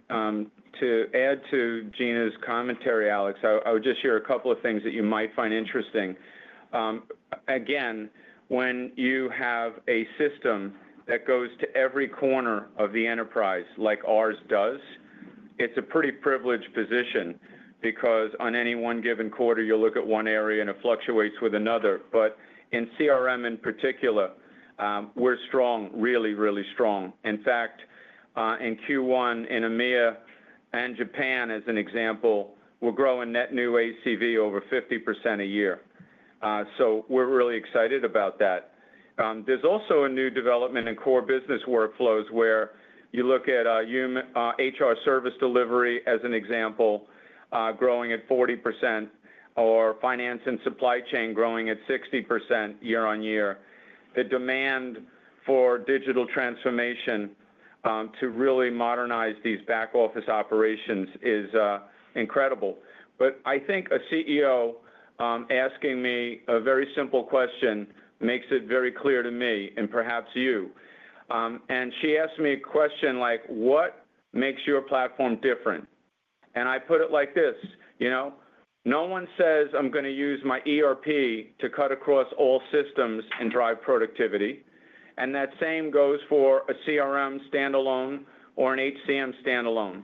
To add to Gina's commentary, Alex, I would just share a couple of things that you might find interesting. Again, when you have a system that goes to every corner of the enterprise like ours does, it's a pretty privileged position because on any one given quarter, you'll look at one area and it fluctuates with another. In CRM in particular, we're strong, really, really strong. In fact, in Q1, in EMEA and Japan, as an example, we're growing net new ACV over 50% a year. We're really excited about that. There's also a new development in core business workflows where you look at HR Service Delivery as an example growing at 40% or finance and supply chain growing at 60% year on year. The demand for digital transformation to really modernize these back office operations is incredible. I think a CEO asking me a very simple question makes it very clear to me and perhaps you. She asked me a question like, "What makes your platform different?" I put it like this. No one says, "I'm going to use my ERP to cut across all systems and drive productivity." That same goes for a CRM standalone or an HCM standalone.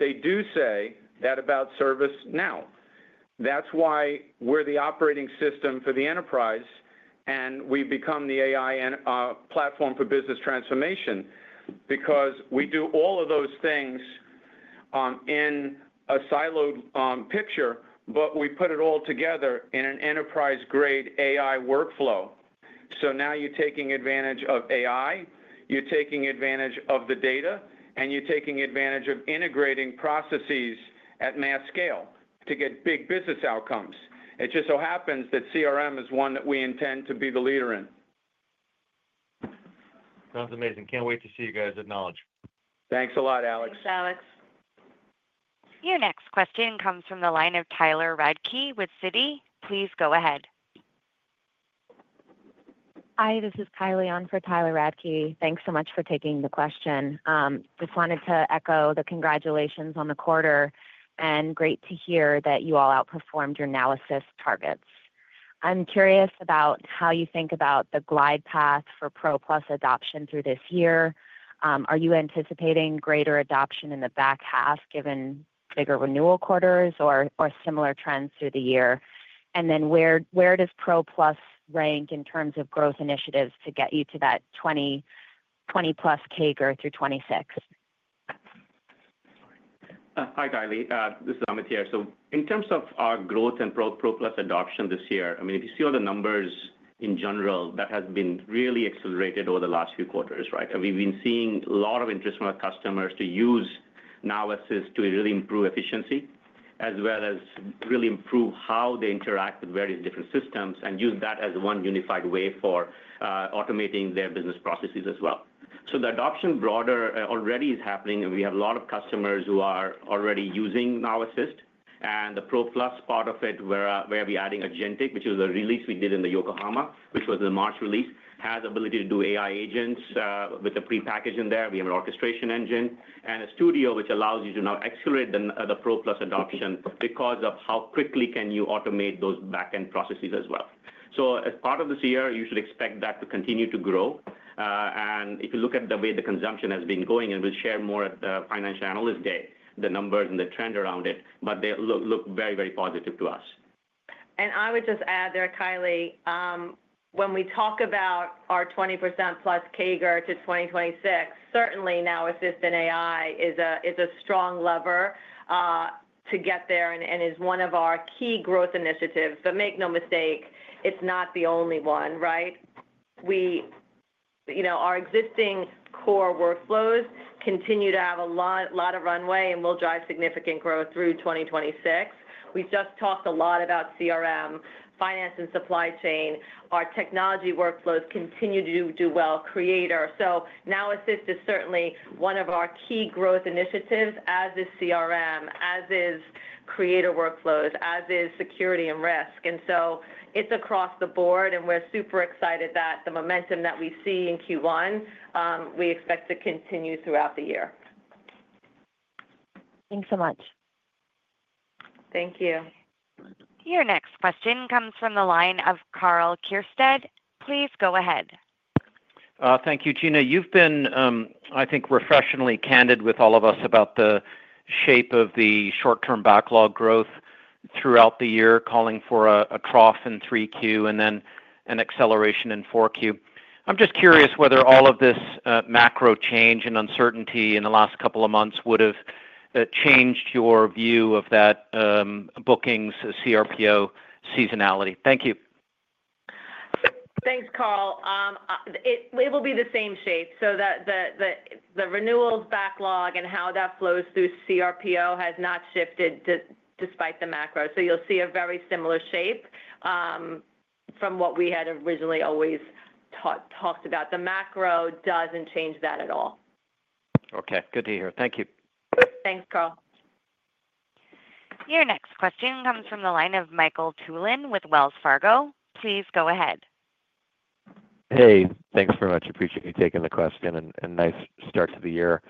They do say that about ServiceNow. That's why we're the operating system for the enterprise, and we become the AI platform for business transformation because we do all of those things in a siloed picture, but we put it all together in an enterprise-grade AI workflow. Now you're taking advantage of AI, you're taking advantage of the data, and you're taking advantage of integrating processes at mass scale to get big business outcomes. It just so happens that CRM is one that we intend to be the leader in. That's amazing. Can't wait to see you guys at Knowledge24. Thanks a lot, Alex. Thanks, Alex. Your next question comes from the line of Tyler Radke with Citi. Please go ahead. Hi, this is Kylie on for Tyler Radke. Thanks so much for taking the question. Just wanted to echo the congratulations on the quarter, and great to hear that you all outperformed your analysis targets. I'm curious about how you think about the glide path for ProPlus adoption through this year. Are you anticipating greater adoption in the back half given bigger renewal quarters or similar trends through the year? Where does ProPlus rank in terms of growth initiatives to get you to that 20-plus K growth through 2026? Hi, Kylie. This is Amit Zavery. In terms of our growth and ProPlus adoption this year, I mean, if you see all the numbers in general, that has been really accelerated over the last few quarters, right? We've been seeing a lot of interest from our customers to use Now Assist to really improve efficiency, as well as really improve how they interact with various different systems and use that as one unified way for automating their business processes as well. The adoption broader already is happening. We have a lot of customers who are already using Now Assist. The ProPlus part of it, where we're adding Agentic, which is a release we did in the Yokohama, which was the March release, has the ability to do AI agents with a prepackage in there. We have an orchestration engine and a studio which allows you to now accelerate the ProPlus adoption because of how quickly can you automate those back-end processes as well. As part of this year, you should expect that to continue to grow. If you look at the way the consumption has been going, and we will share more at the financial analyst day, the numbers and the trend around it, but they look very, very positive to us. I would just add there, Kylie, when we talk about our 20%+ K growth to 2026, certainly Now Assist and AI is a strong lever to get there and is one of our key growth initiatives. Make no mistake, it is not the only one, right? Our existing core workflows continue to have a lot of runway, and we will drive significant growth through 2026. We just talked a lot about CRM, finance, and supply chain. Our technology workflows continue to do well, Creator. Now Assist is certainly one of our key growth initiatives, as is CRM, as is Creator Workflows, as is security and risk. It's across the board, and we're super excited that the momentum that we see in Q1, we expect to continue throughout the year. Thanks so much. Thank you. Your next question comes from the line of Karl Keirstead. Please go ahead. Thank you, Gina. You've been, I think, professionally candid with all of us about the shape of the short-term backlog growth throughout the year, calling for a trough in 3Q and then an acceleration in 4Q. I'm just curious whether all of this macro change and uncertainty in the last couple of months would have changed your view of that bookings CRPO seasonality. Thank you. Thanks, Carl. It will be the same shape. The renewals backlog and how that flows through CRPO has not shifted despite the macro. You'll see a very similar shape from what we had originally always talked about. The macro does not change that at all. Okay. Good to hear. Thank you. Thanks, Carl. Your next question comes from the line of Michael Tulin with Wells Fargo. Please go ahead. Hey, thanks very much. Appreciate you taking the question and nice start to the year.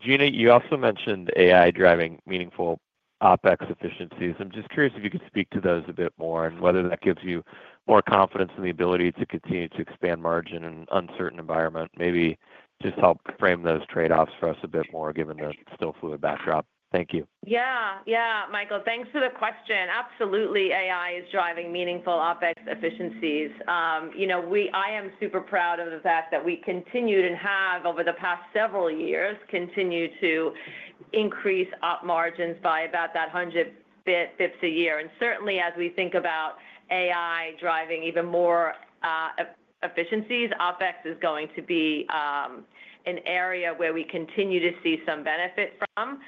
Gina, you also mentioned AI driving meaningful OpEx efficiencies. I am just curious if you could speak to those a bit more and whether that gives you more confidence in the ability to continue to expand margin in an uncertain environment. Maybe just help frame those trade-offs for us a bit more given the still fluid backdrop. Thank you. Yeah. Yeah, Michael, thanks for the question. Absolutely, AI is driving meaningful OpEx efficiencies. I am super proud of the fact that we continued and have over the past several years continued to increase Op margins by about that 100 basis points a year. Certainly, as we think about AI driving even more efficiencies, OpEx is going to be an area where we continue to see some benefit from.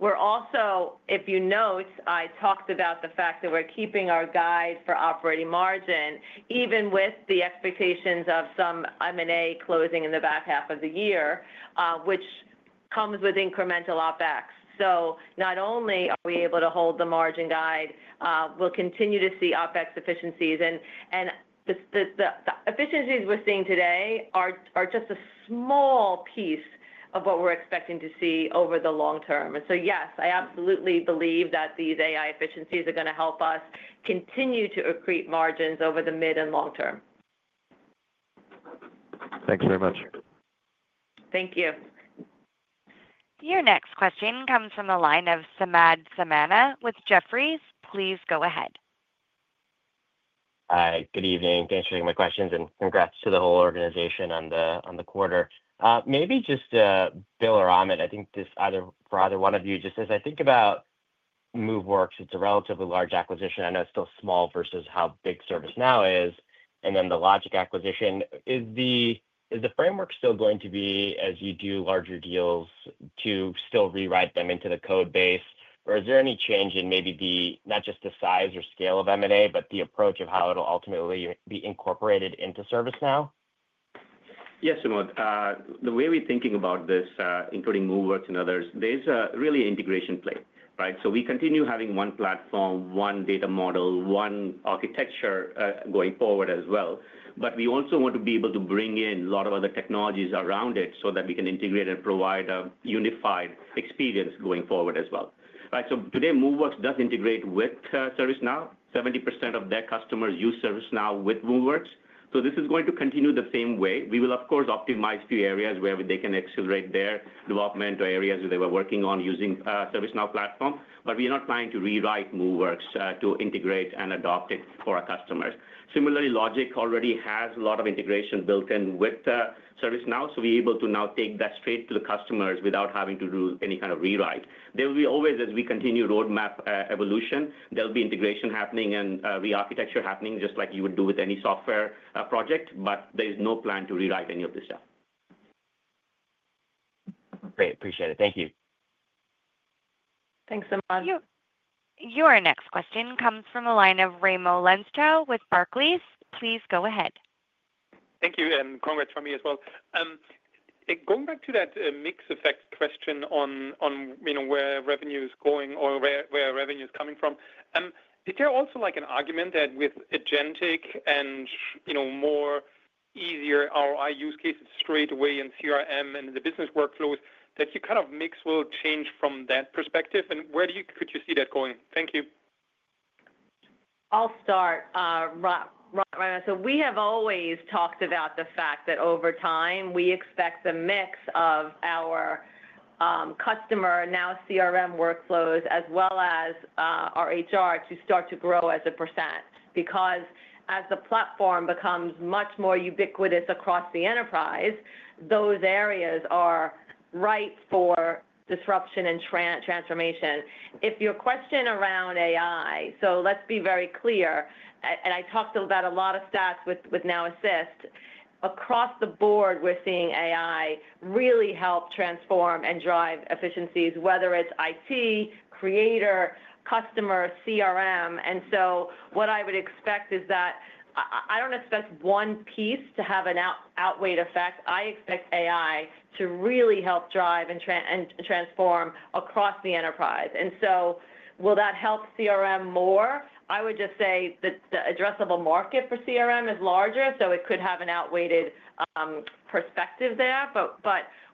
We're also, if you note, I talked about the fact that we're keeping our guide for operating margin, even with the expectations of some M&A closing in the back half of the year, which comes with incremental OpEx. Not only are we able to hold the margin guide, we'll continue to see OpEx efficiencies. The efficiencies we're seeing today are just a small piece of what we're expecting to see over the long term. Yes, I absolutely believe that these AI efficiencies are going to help us continue to accrete margins over the mid and long term. Thanks very much. Thank you. Your next question comes from the line of Samad Samana with Jefferies. Please go ahead. Hi, good evening. Thanks for taking my questions. Congrats to the whole organization on the quarter. Maybe just Bill or Amit, I think for either one of you, just as I think about Moveworks, it's a relatively large acquisition. I know it's still small versus how big ServiceNow is. The Logic acquisition, is the framework still going to be, as you do larger deals, to still rewrite them into the code base? Is there any change in maybe not just the size or scale of M&A, but the approach of how it'll ultimately be incorporated into ServiceNow? Yes, Samad. The way we're thinking about this, including Moveworks and others, there's really an integration play, right? We continue having one platform, one data model, one architecture going forward as well. We also want to be able to bring in a lot of other technologies around it so that we can integrate and provide a unified experience going forward as well. Today, Moveworks does integrate with ServiceNow. 70% of their customers use ServiceNow with Moveworks. This is going to continue the same way. We will, of course, optimize a few areas where they can accelerate their development or areas where they were working on using the ServiceNow platform. We are not trying to rewrite Moveworks to integrate and adopt it for our customers. Similarly, Logic.AI already has a lot of integration built in with ServiceNow, so we're able to now take that straight to the customers without having to do any kind of rewrite. There will be always, as we continue roadmap evolution, there'll be integration happening and re-architecture happening just like you would do with any software project, but there is no plan to rewrite any of this stuff. Great. Appreciate it. Thank you. Thanks, Samad. Thank you. Your next question comes from the line of Raimo Lenschow with Barclays. Please go ahead. Thank you. And congrats from me as well. Going back to that mixed effect question on where revenue is going or where revenue is coming from, is there also an argument that with Agentic and more easier ROI use cases straight away in CRM and the business workflows that you kind of mix will change from that perspective? And where could you see that going? Thank you. I'll start. We have always talked about the fact that over time, we expect the mix of our customer, now CRM workflows as well as our HR, to start to grow as a percent. Because as the platform becomes much more ubiquitous across the enterprise, those areas are ripe for disruption and transformation. If your question around AI, let's be very clear, and I talked about a lot of stats with Now Assist. Across the board, we're seeing AI really help transform and drive efficiencies, whether it's IT, Creator, customer, CRM. What I would expect is that I don't expect one piece to have an outweighed effect. I expect AI to really help drive and transform across the enterprise. Will that help CRM more? I would just say the addressable market for CRM is larger, so it could have an outweighed perspective there.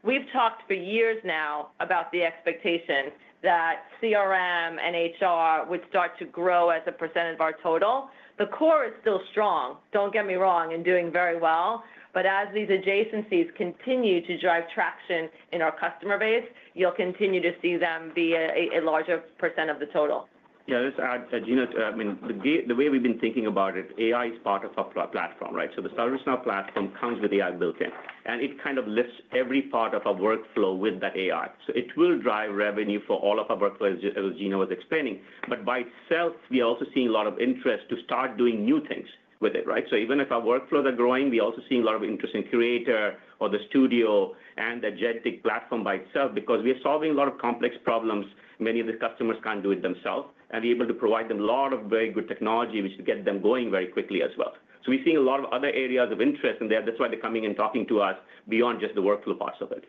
We've talked for years now about the expectation that CRM and HR would start to grow as a percent of our total. The core is still strong, don't get me wrong, and doing very well. As these adjacencies continue to drive traction in our customer base, you'll continue to see them be a larger percent of the total. Yeah, just add, Gina, I mean, the way we've been thinking about it, AI is part of our platform, right? The ServiceNow platform comes with AI built in, and it kind of lifts every part of our workflow with that AI. It will drive revenue for all of our workflows, as Gina was explaining. By itself, we are also seeing a lot of interest to start doing new things with it, right? Even if our workflows are growing, we are also seeing a lot of interest in Creator or the Studio and the Agentic platform by itself because we are solving a lot of complex problems. Many of the customers can't do it themselves, and we're able to provide them a lot of very good technology, which will get them going very quickly as well. We are seeing a lot of other areas of interest, and that's why they're coming and talking to us beyond just the workflow parts of it.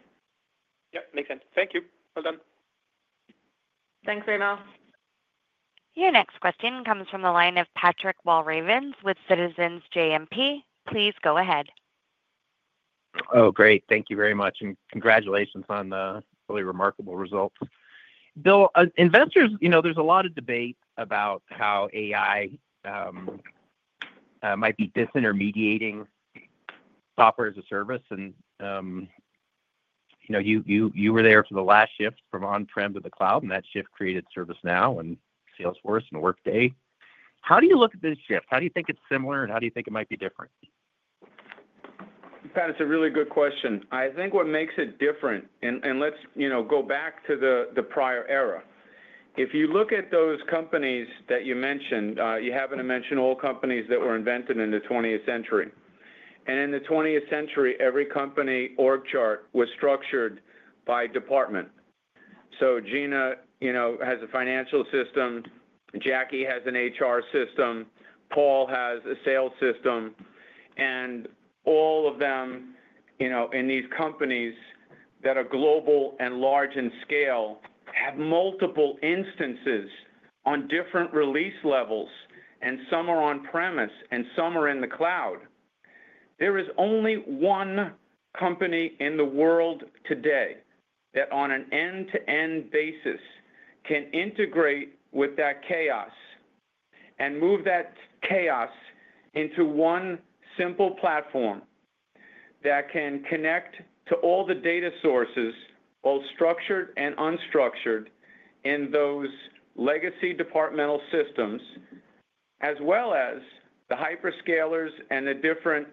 Yep. Makes sense. Thank you. Well done. Thanks, Raymo. Your next question comes from the line of Patrick Walravens with Citizens JMP. Please go ahead. Oh, great. Thank you very much. And congratulations on the really remarkable results. Bill, investors, there's a lot of debate about how AI might be disintermediating software as a service. You were there for the last shift from on-prem to the cloud, and that shift created ServiceNow and Salesforce and Workday. How do you look at this shift? How do you think it's similar, and how do you think it might be different? That's a really good question. I think what makes it different, and let's go back to the prior era. If you look at those companies that you mentioned, you happen to mention old companies that were invented in the 20th century. In the 20th century, every company org chart was structured by department. So Gina has a financial system, Jackie has an HR system, Paul has a sales system. All of them in these companies that are global and large in scale have multiple instances on different release levels, and some are on-premise and some are in the cloud. There is only one company in the world today that, on an end-to-end basis, can integrate with that chaos and move that chaos into one simple platform that can connect to all the data sources, both structured and unstructured, in those legacy departmental systems, as well as the hyperscalers and the different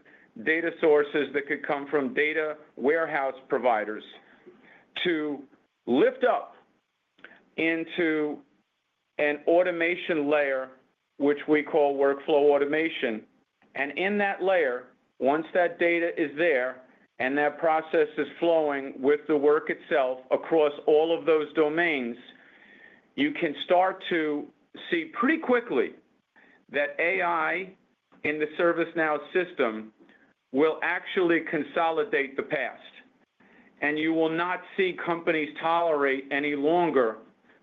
data sources that could come from data warehouse providers to lift up into an automation layer, which we call workflow automation. In that layer, once that data is there and that process is flowing with the work itself across all of those domains, you can start to see pretty quickly that AI in the ServiceNow system will actually consolidate the past. You will not see companies tolerate any longer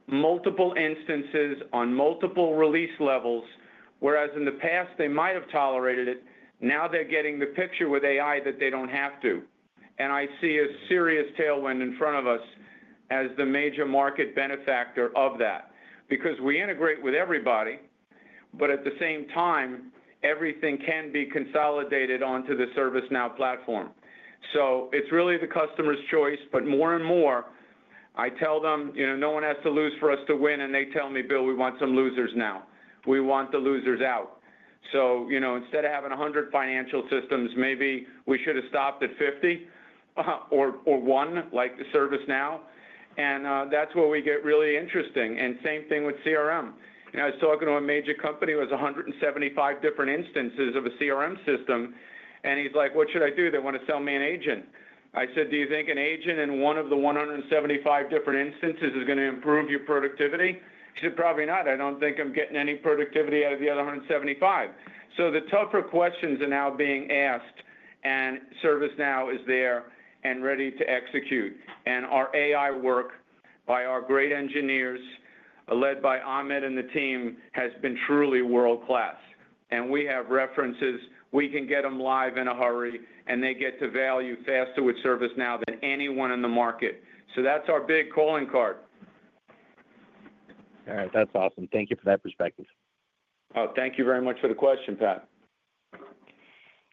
multiple instances on multiple release levels, whereas in the past, they might have tolerated it. Now they're getting the picture with AI that they don't have to. I see a serious tailwind in front of us as the major market benefactor of that because we integrate with everybody, but at the same time, everything can be consolidated onto the ServiceNow platform. It is really the customer's choice. More and more, I tell them, "No one has to lose for us to win." They tell me, "Bill, we want some losers now. We want the losers out." Instead of having 100 financial systems, maybe we should have stopped at 50 or 1, like the ServiceNow. That is where we get really interesting. Same thing with CRM. I was talking to a major company who has 175 different instances of a CRM system, and he is like, "What should I do? They want to sell me an agent. I said, "Do you think an agent in one of the 175 different instances is going to improve your productivity?" He said, "Probably not. I don't think I'm getting any productivity out of the other 175." The tougher questions are now being asked, and ServiceNow is there and ready to execute. Our AI work by our great engineers, led by Amit and the team, has been truly world-class. We have references. We can get them live in a hurry, and they get to value faster with ServiceNow than anyone in the market. That's our big calling card. All right. That's awesome. Thank you for that perspective. Oh, thank you very much for the question, Pat.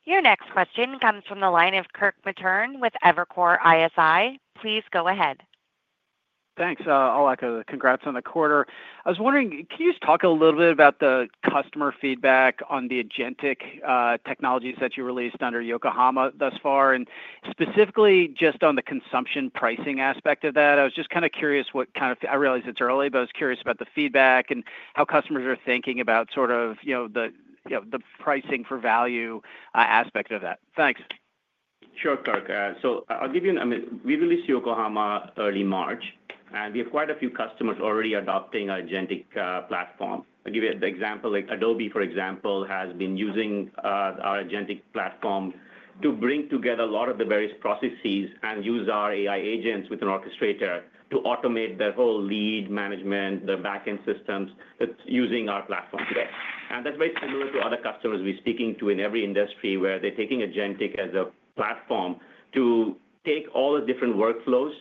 Your next question comes from the line of Kirk Materne with Evercore ISI. Please go ahead. Thanks. I'd like to congrats on the quarter. I was wondering, can you just talk a little bit about the customer feedback on the Agentic technologies that you released under Yokohama thus far? Specifically, just on the consumption pricing aspect of that, I was just kind of curious what kind of—I realize it's early, but I was curious about the feedback and how customers are thinking about sort of the pricing for value aspect of that. Thanks. Sure, Kirk. I'll give you an—I mean, we released Yokohama early March, and we have quite a few customers already adopting our Agentic platform. I'll give you the example. Adobe, for example, has been using our Agentic platform to bring together a lot of the various processes and use our AI agents with an orchestrator to automate their whole lead management, their backend systems, using our platform today. That is very similar to other customers we're speaking to in every industry where they're taking Agentic as a platform to take all the different workflows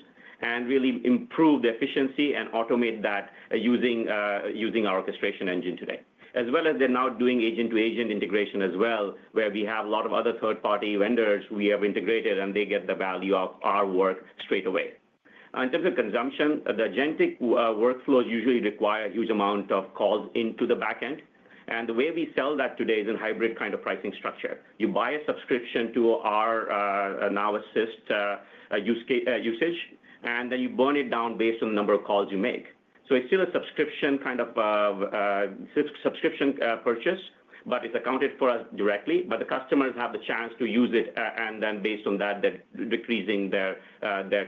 and really improve the efficiency and automate that using our orchestration engine today. As well as they're now doing agent-to-agent integration as well, where we have a lot of other third-party vendors we have integrated, and they get the value of our work straight away. In terms of consumption, the Agentic workflows usually require a huge amount of calls into the backend. The way we sell that today is in hybrid kind of pricing structure. You buy a subscription to our Now Assist usage, and then you burn it down based on the number of calls you make. It is still a subscription kind of subscription purchase, but it is accounted for us directly. The customers have the chance to use it, and then based on that, they're decreasing their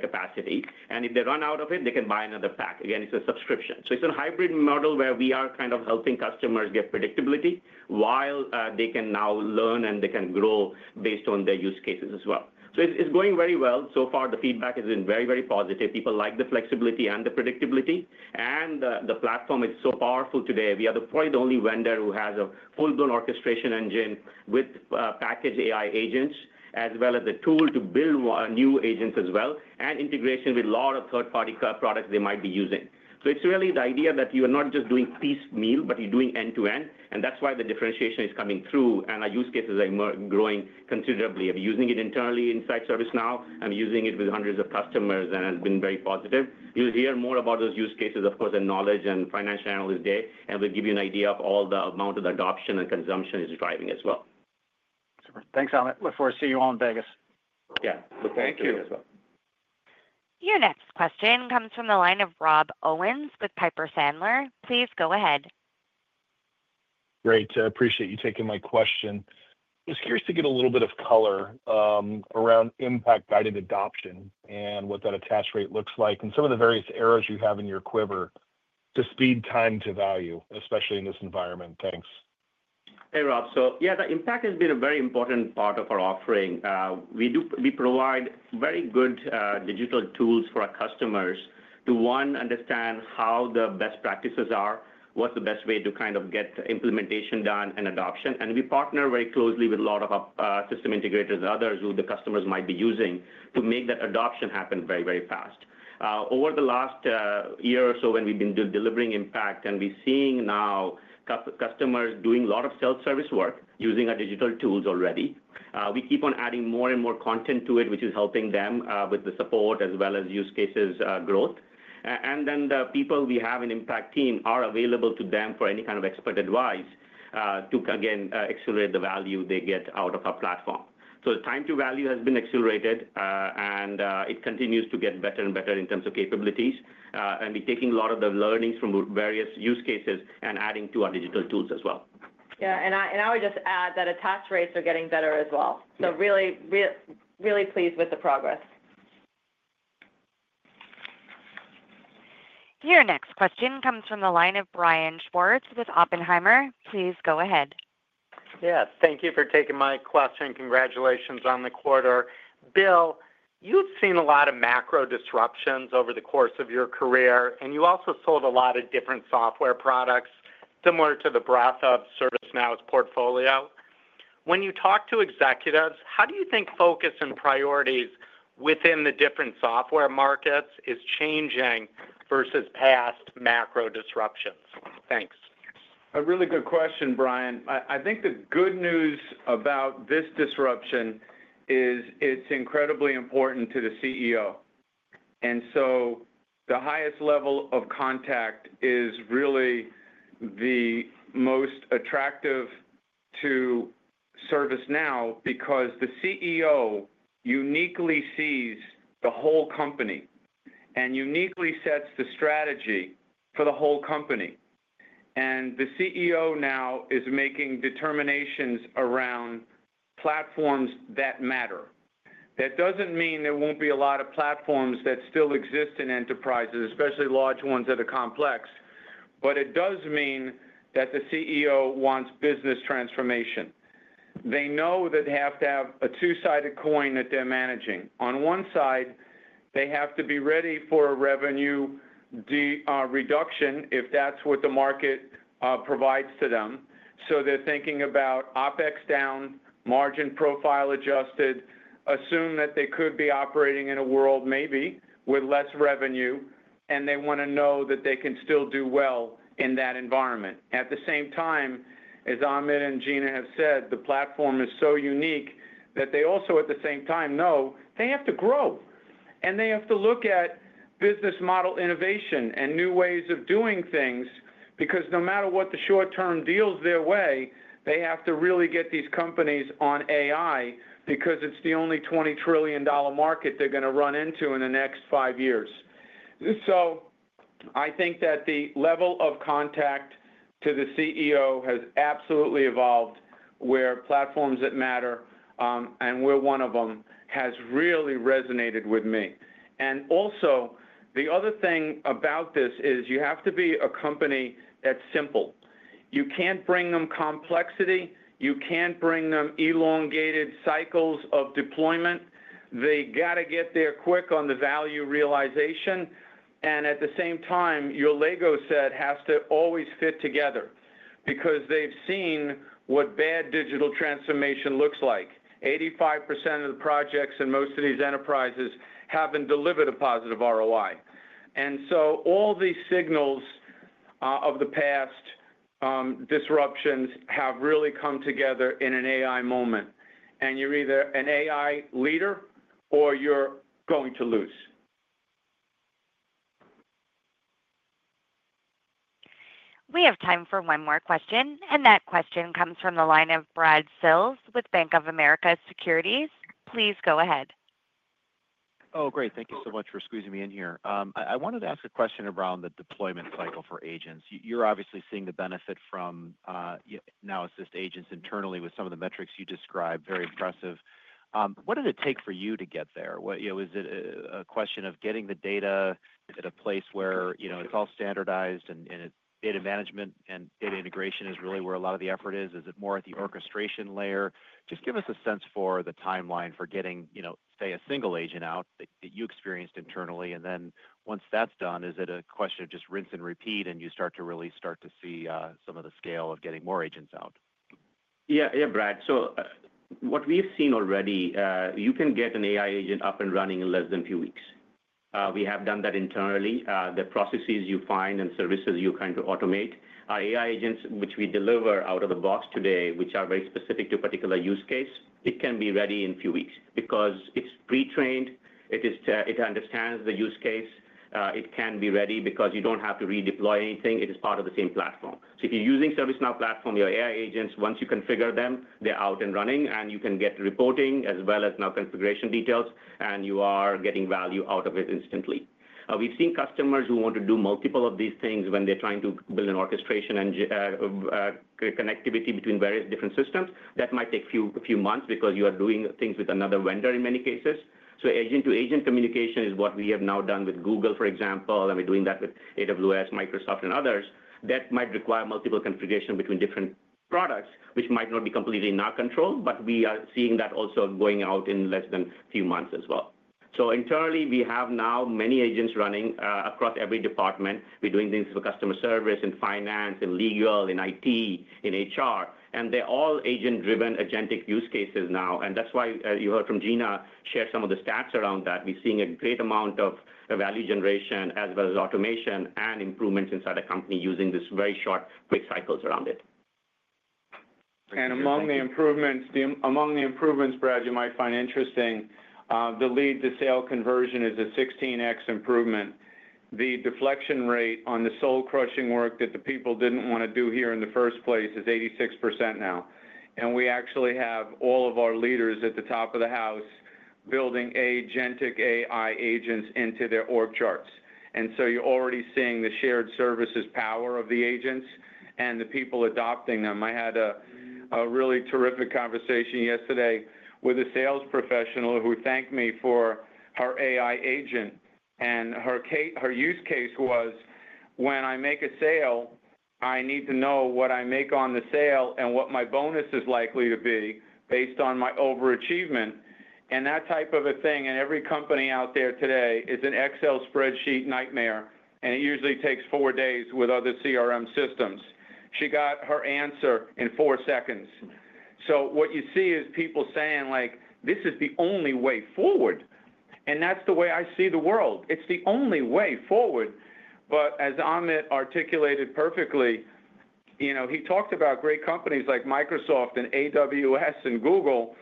capacity. If they run out of it, they can buy another pack. Again, it's a subscription. It's a hybrid model where we are kind of helping customers get predictability while they can now learn and they can grow based on their use cases as well. It's going very well. So far, the feedback has been very, very positive. People like the flexibility and the predictability. The platform is so powerful today. We are probably the only vendor who has a full-blown orchestration engine with packaged AI agents, as well as the tool to build new agents as well, and integration with a lot of third-party products they might be using. It's really the idea that you are not just doing piecemeal, but you're doing end-to-end. That is why the differentiation is coming through, and our use cases are growing considerably. I'm using it internally inside ServiceNow. I'm using it with hundreds of customers and have been very positive. You'll hear more about those use cases, of course, and Knowledge24 and financial analysts there. We'll give you an idea of all the amount of adoption and consumption it's driving as well. Super. Thanks, Amit. Look forward to seeing you all in Vegas. Yeah. Look forward to seeing you as well. Thank you. Your next question comes from the line of Rob Owens with Piper Sandler. Please go ahead. Great. Appreciate you taking my question. I was curious to get a little bit of color around impact-guided adoption and what that attach rate looks like and some of the various arrows you have in your quiver to speed time to value, especially in this environment. Thanks. Hey, Rob. Yeah, the impact has been a very important part of our offering. We provide very good digital tools for our customers to, one, understand how the best practices are, what's the best way to kind of get implementation done and adoption. We partner very closely with a lot of system integrators and others who the customers might be using to make that adoption happen very, very fast. Over the last year or so, when we've been delivering impact, we're seeing now customers doing a lot of self-service work using our digital tools already. We keep on adding more and more content to it, which is helping them with the support as well as use cases growth. The people we have in impact team are available to them for any kind of expert advice to, again, accelerate the value they get out of our platform. The time to value has been accelerated, and it continues to get better and better in terms of capabilities. We are taking a lot of the learnings from various use cases and adding to our digital tools as well. Yeah. I would just add that attach rates are getting better as well. Really, really pleased with the progress. Your next question comes from the line of Brian Schwartz with Oppenheimer. Please go ahead. Yes. Thank you for taking my question. Congratulations on the quarter. Bill, you have seen a lot of macro disruptions over the course of your career, and you also sold a lot of different software products similar to the breadth of ServiceNow's portfolio. When you talk to executives, how do you think focus and priorities within the different software markets is changing versus past macro disruptions? Thanks. A really good question, Brian. I think the good news about this disruption is it's incredibly important to the CEO. The highest level of contact is really the most attractive to ServiceNow because the CEO uniquely sees the whole company and uniquely sets the strategy for the whole company. The CEO now is making determinations around platforms that matter. That does not mean there will not be a lot of platforms that still exist in enterprises, especially large ones that are complex, but it does mean that the CEO wants business transformation. They know that they have to have a two-sided coin that they are managing. On one side, they have to be ready for a revenue reduction if that is what the market provides to them. They're thinking about OpEx down, margin profile adjusted, assume that they could be operating in a world maybe with less revenue, and they want to know that they can still do well in that environment. At the same time, as Amit and Gina have said, the platform is so unique that they also, at the same time, know they have to grow. They have to look at business model innovation and new ways of doing things because no matter what the short-term deals their way, they have to really get these companies on AI because it's the only $20 trillion market they're going to run into in the next five years. I think that the level of contact to the CEO has absolutely evolved where platforms that matter, and we're one of them, has really resonated with me. Also, the other thing about this is you have to be a company that's simple. You can't bring them complexity. You can't bring them elongated cycles of deployment. They got to get there quick on the value realization. At the same time, your Lego set has to always fit together because they've seen what bad digital transformation looks like. 85% of the projects in most of these enterprises haven't delivered a positive ROI. All these signals of the past disruptions have really come together in an AI moment. You're either an AI leader or you're going to lose. We have time for one more question. That question comes from the line of Bradley Sills with Bank of America Securities. Please go ahead. Oh, great. Thank you so much for squeezing me in here. I wanted to ask a question around the deployment cycle for agents. You're obviously seeing the benefit from Now Assist agents internally with some of the metrics you described. Very impressive. What did it take for you to get there? Was it a question of getting the data at a place where it's all standardized and data management and data integration is really where a lot of the effort is? Is it more at the orchestration layer? Just give us a sense for the timeline for getting, say, a single agent out that you experienced internally. Once that's done, is it a question of just rinse and repeat and you start to really start to see some of the scale of getting more agents out? Yeah. Yeah, Brad. What we've seen already, you can get an AI agent up and running in less than a few weeks. We have done that internally. The processes you find and services you kind of automate. Our AI agents, which we deliver out of the box today, which are very specific to a particular use case, it can be ready in a few weeks because it's pre-trained. It understands the use case. It can be ready because you don't have to redeploy anything. It is part of the same platform. If you're using ServiceNow platform, your AI agents, once you configure them, they're out and running, and you can get reporting as well as now configuration details, and you are getting value out of it instantly. We've seen customers who want to do multiple of these things when they're trying to build an orchestration and connectivity between various different systems. That might take a few months because you are doing things with another vendor in many cases. Agent-to-agent communication is what we have now done with Google, for example, and we're doing that with AWS, Microsoft, and others. That might require multiple configuration between different products, which might not be completely in our control, but we are seeing that also going out in less than a few months as well. Internally, we have now many agents running across every department. We're doing things for customer service and finance and legal and IT and HR. They're all agent-driven agentic use cases now. That's why you heard from Gina share some of the stats around that. We're seeing a great amount of value generation as well as automation and improvements inside a company using these very short, quick cycles around it. Among the improvements, Brad, you might find interesting, the lead-to-sale conversion is a 16x improvement. The deflection rate on the soul-crushing work that the people did not want to do here in the first place is 86% now. We actually have all of our leaders at the top of the house building Agentic AI agents into their org charts. You are already seeing the shared services power of the agents and the people adopting them. I had a really terrific conversation yesterday with a sales professional who thanked me for her AI agent. Her use case was, "When I make a sale, I need to know what I make on the sale and what my bonus is likely to be based on my overachievement." That type of a thing, and every company out there today is an Excel spreadsheet nightmare, and it usually takes four days with other CRM systems. She got her answer in four seconds. What you see is people saying, "This is the only way forward." That is the way I see the world. It's the only way forward. As Amit articulated perfectly, he talked about great companies like Microsoft and AWS and Google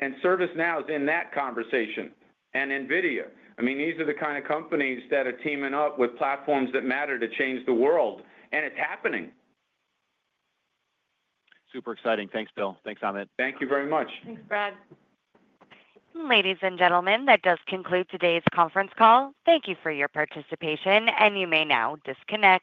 and ServiceNow is in that conversation and NVIDIA. I mean, these are the kind of companies that are teaming up with platforms that matter to change the world. It's happening. Super exciting. Thanks, Bill. Thanks, Amit. Thank you very much. Thanks, Brad. Ladies and gentlemen, that does conclude today's conference call. Thank you for your participation, and you may now disconnect.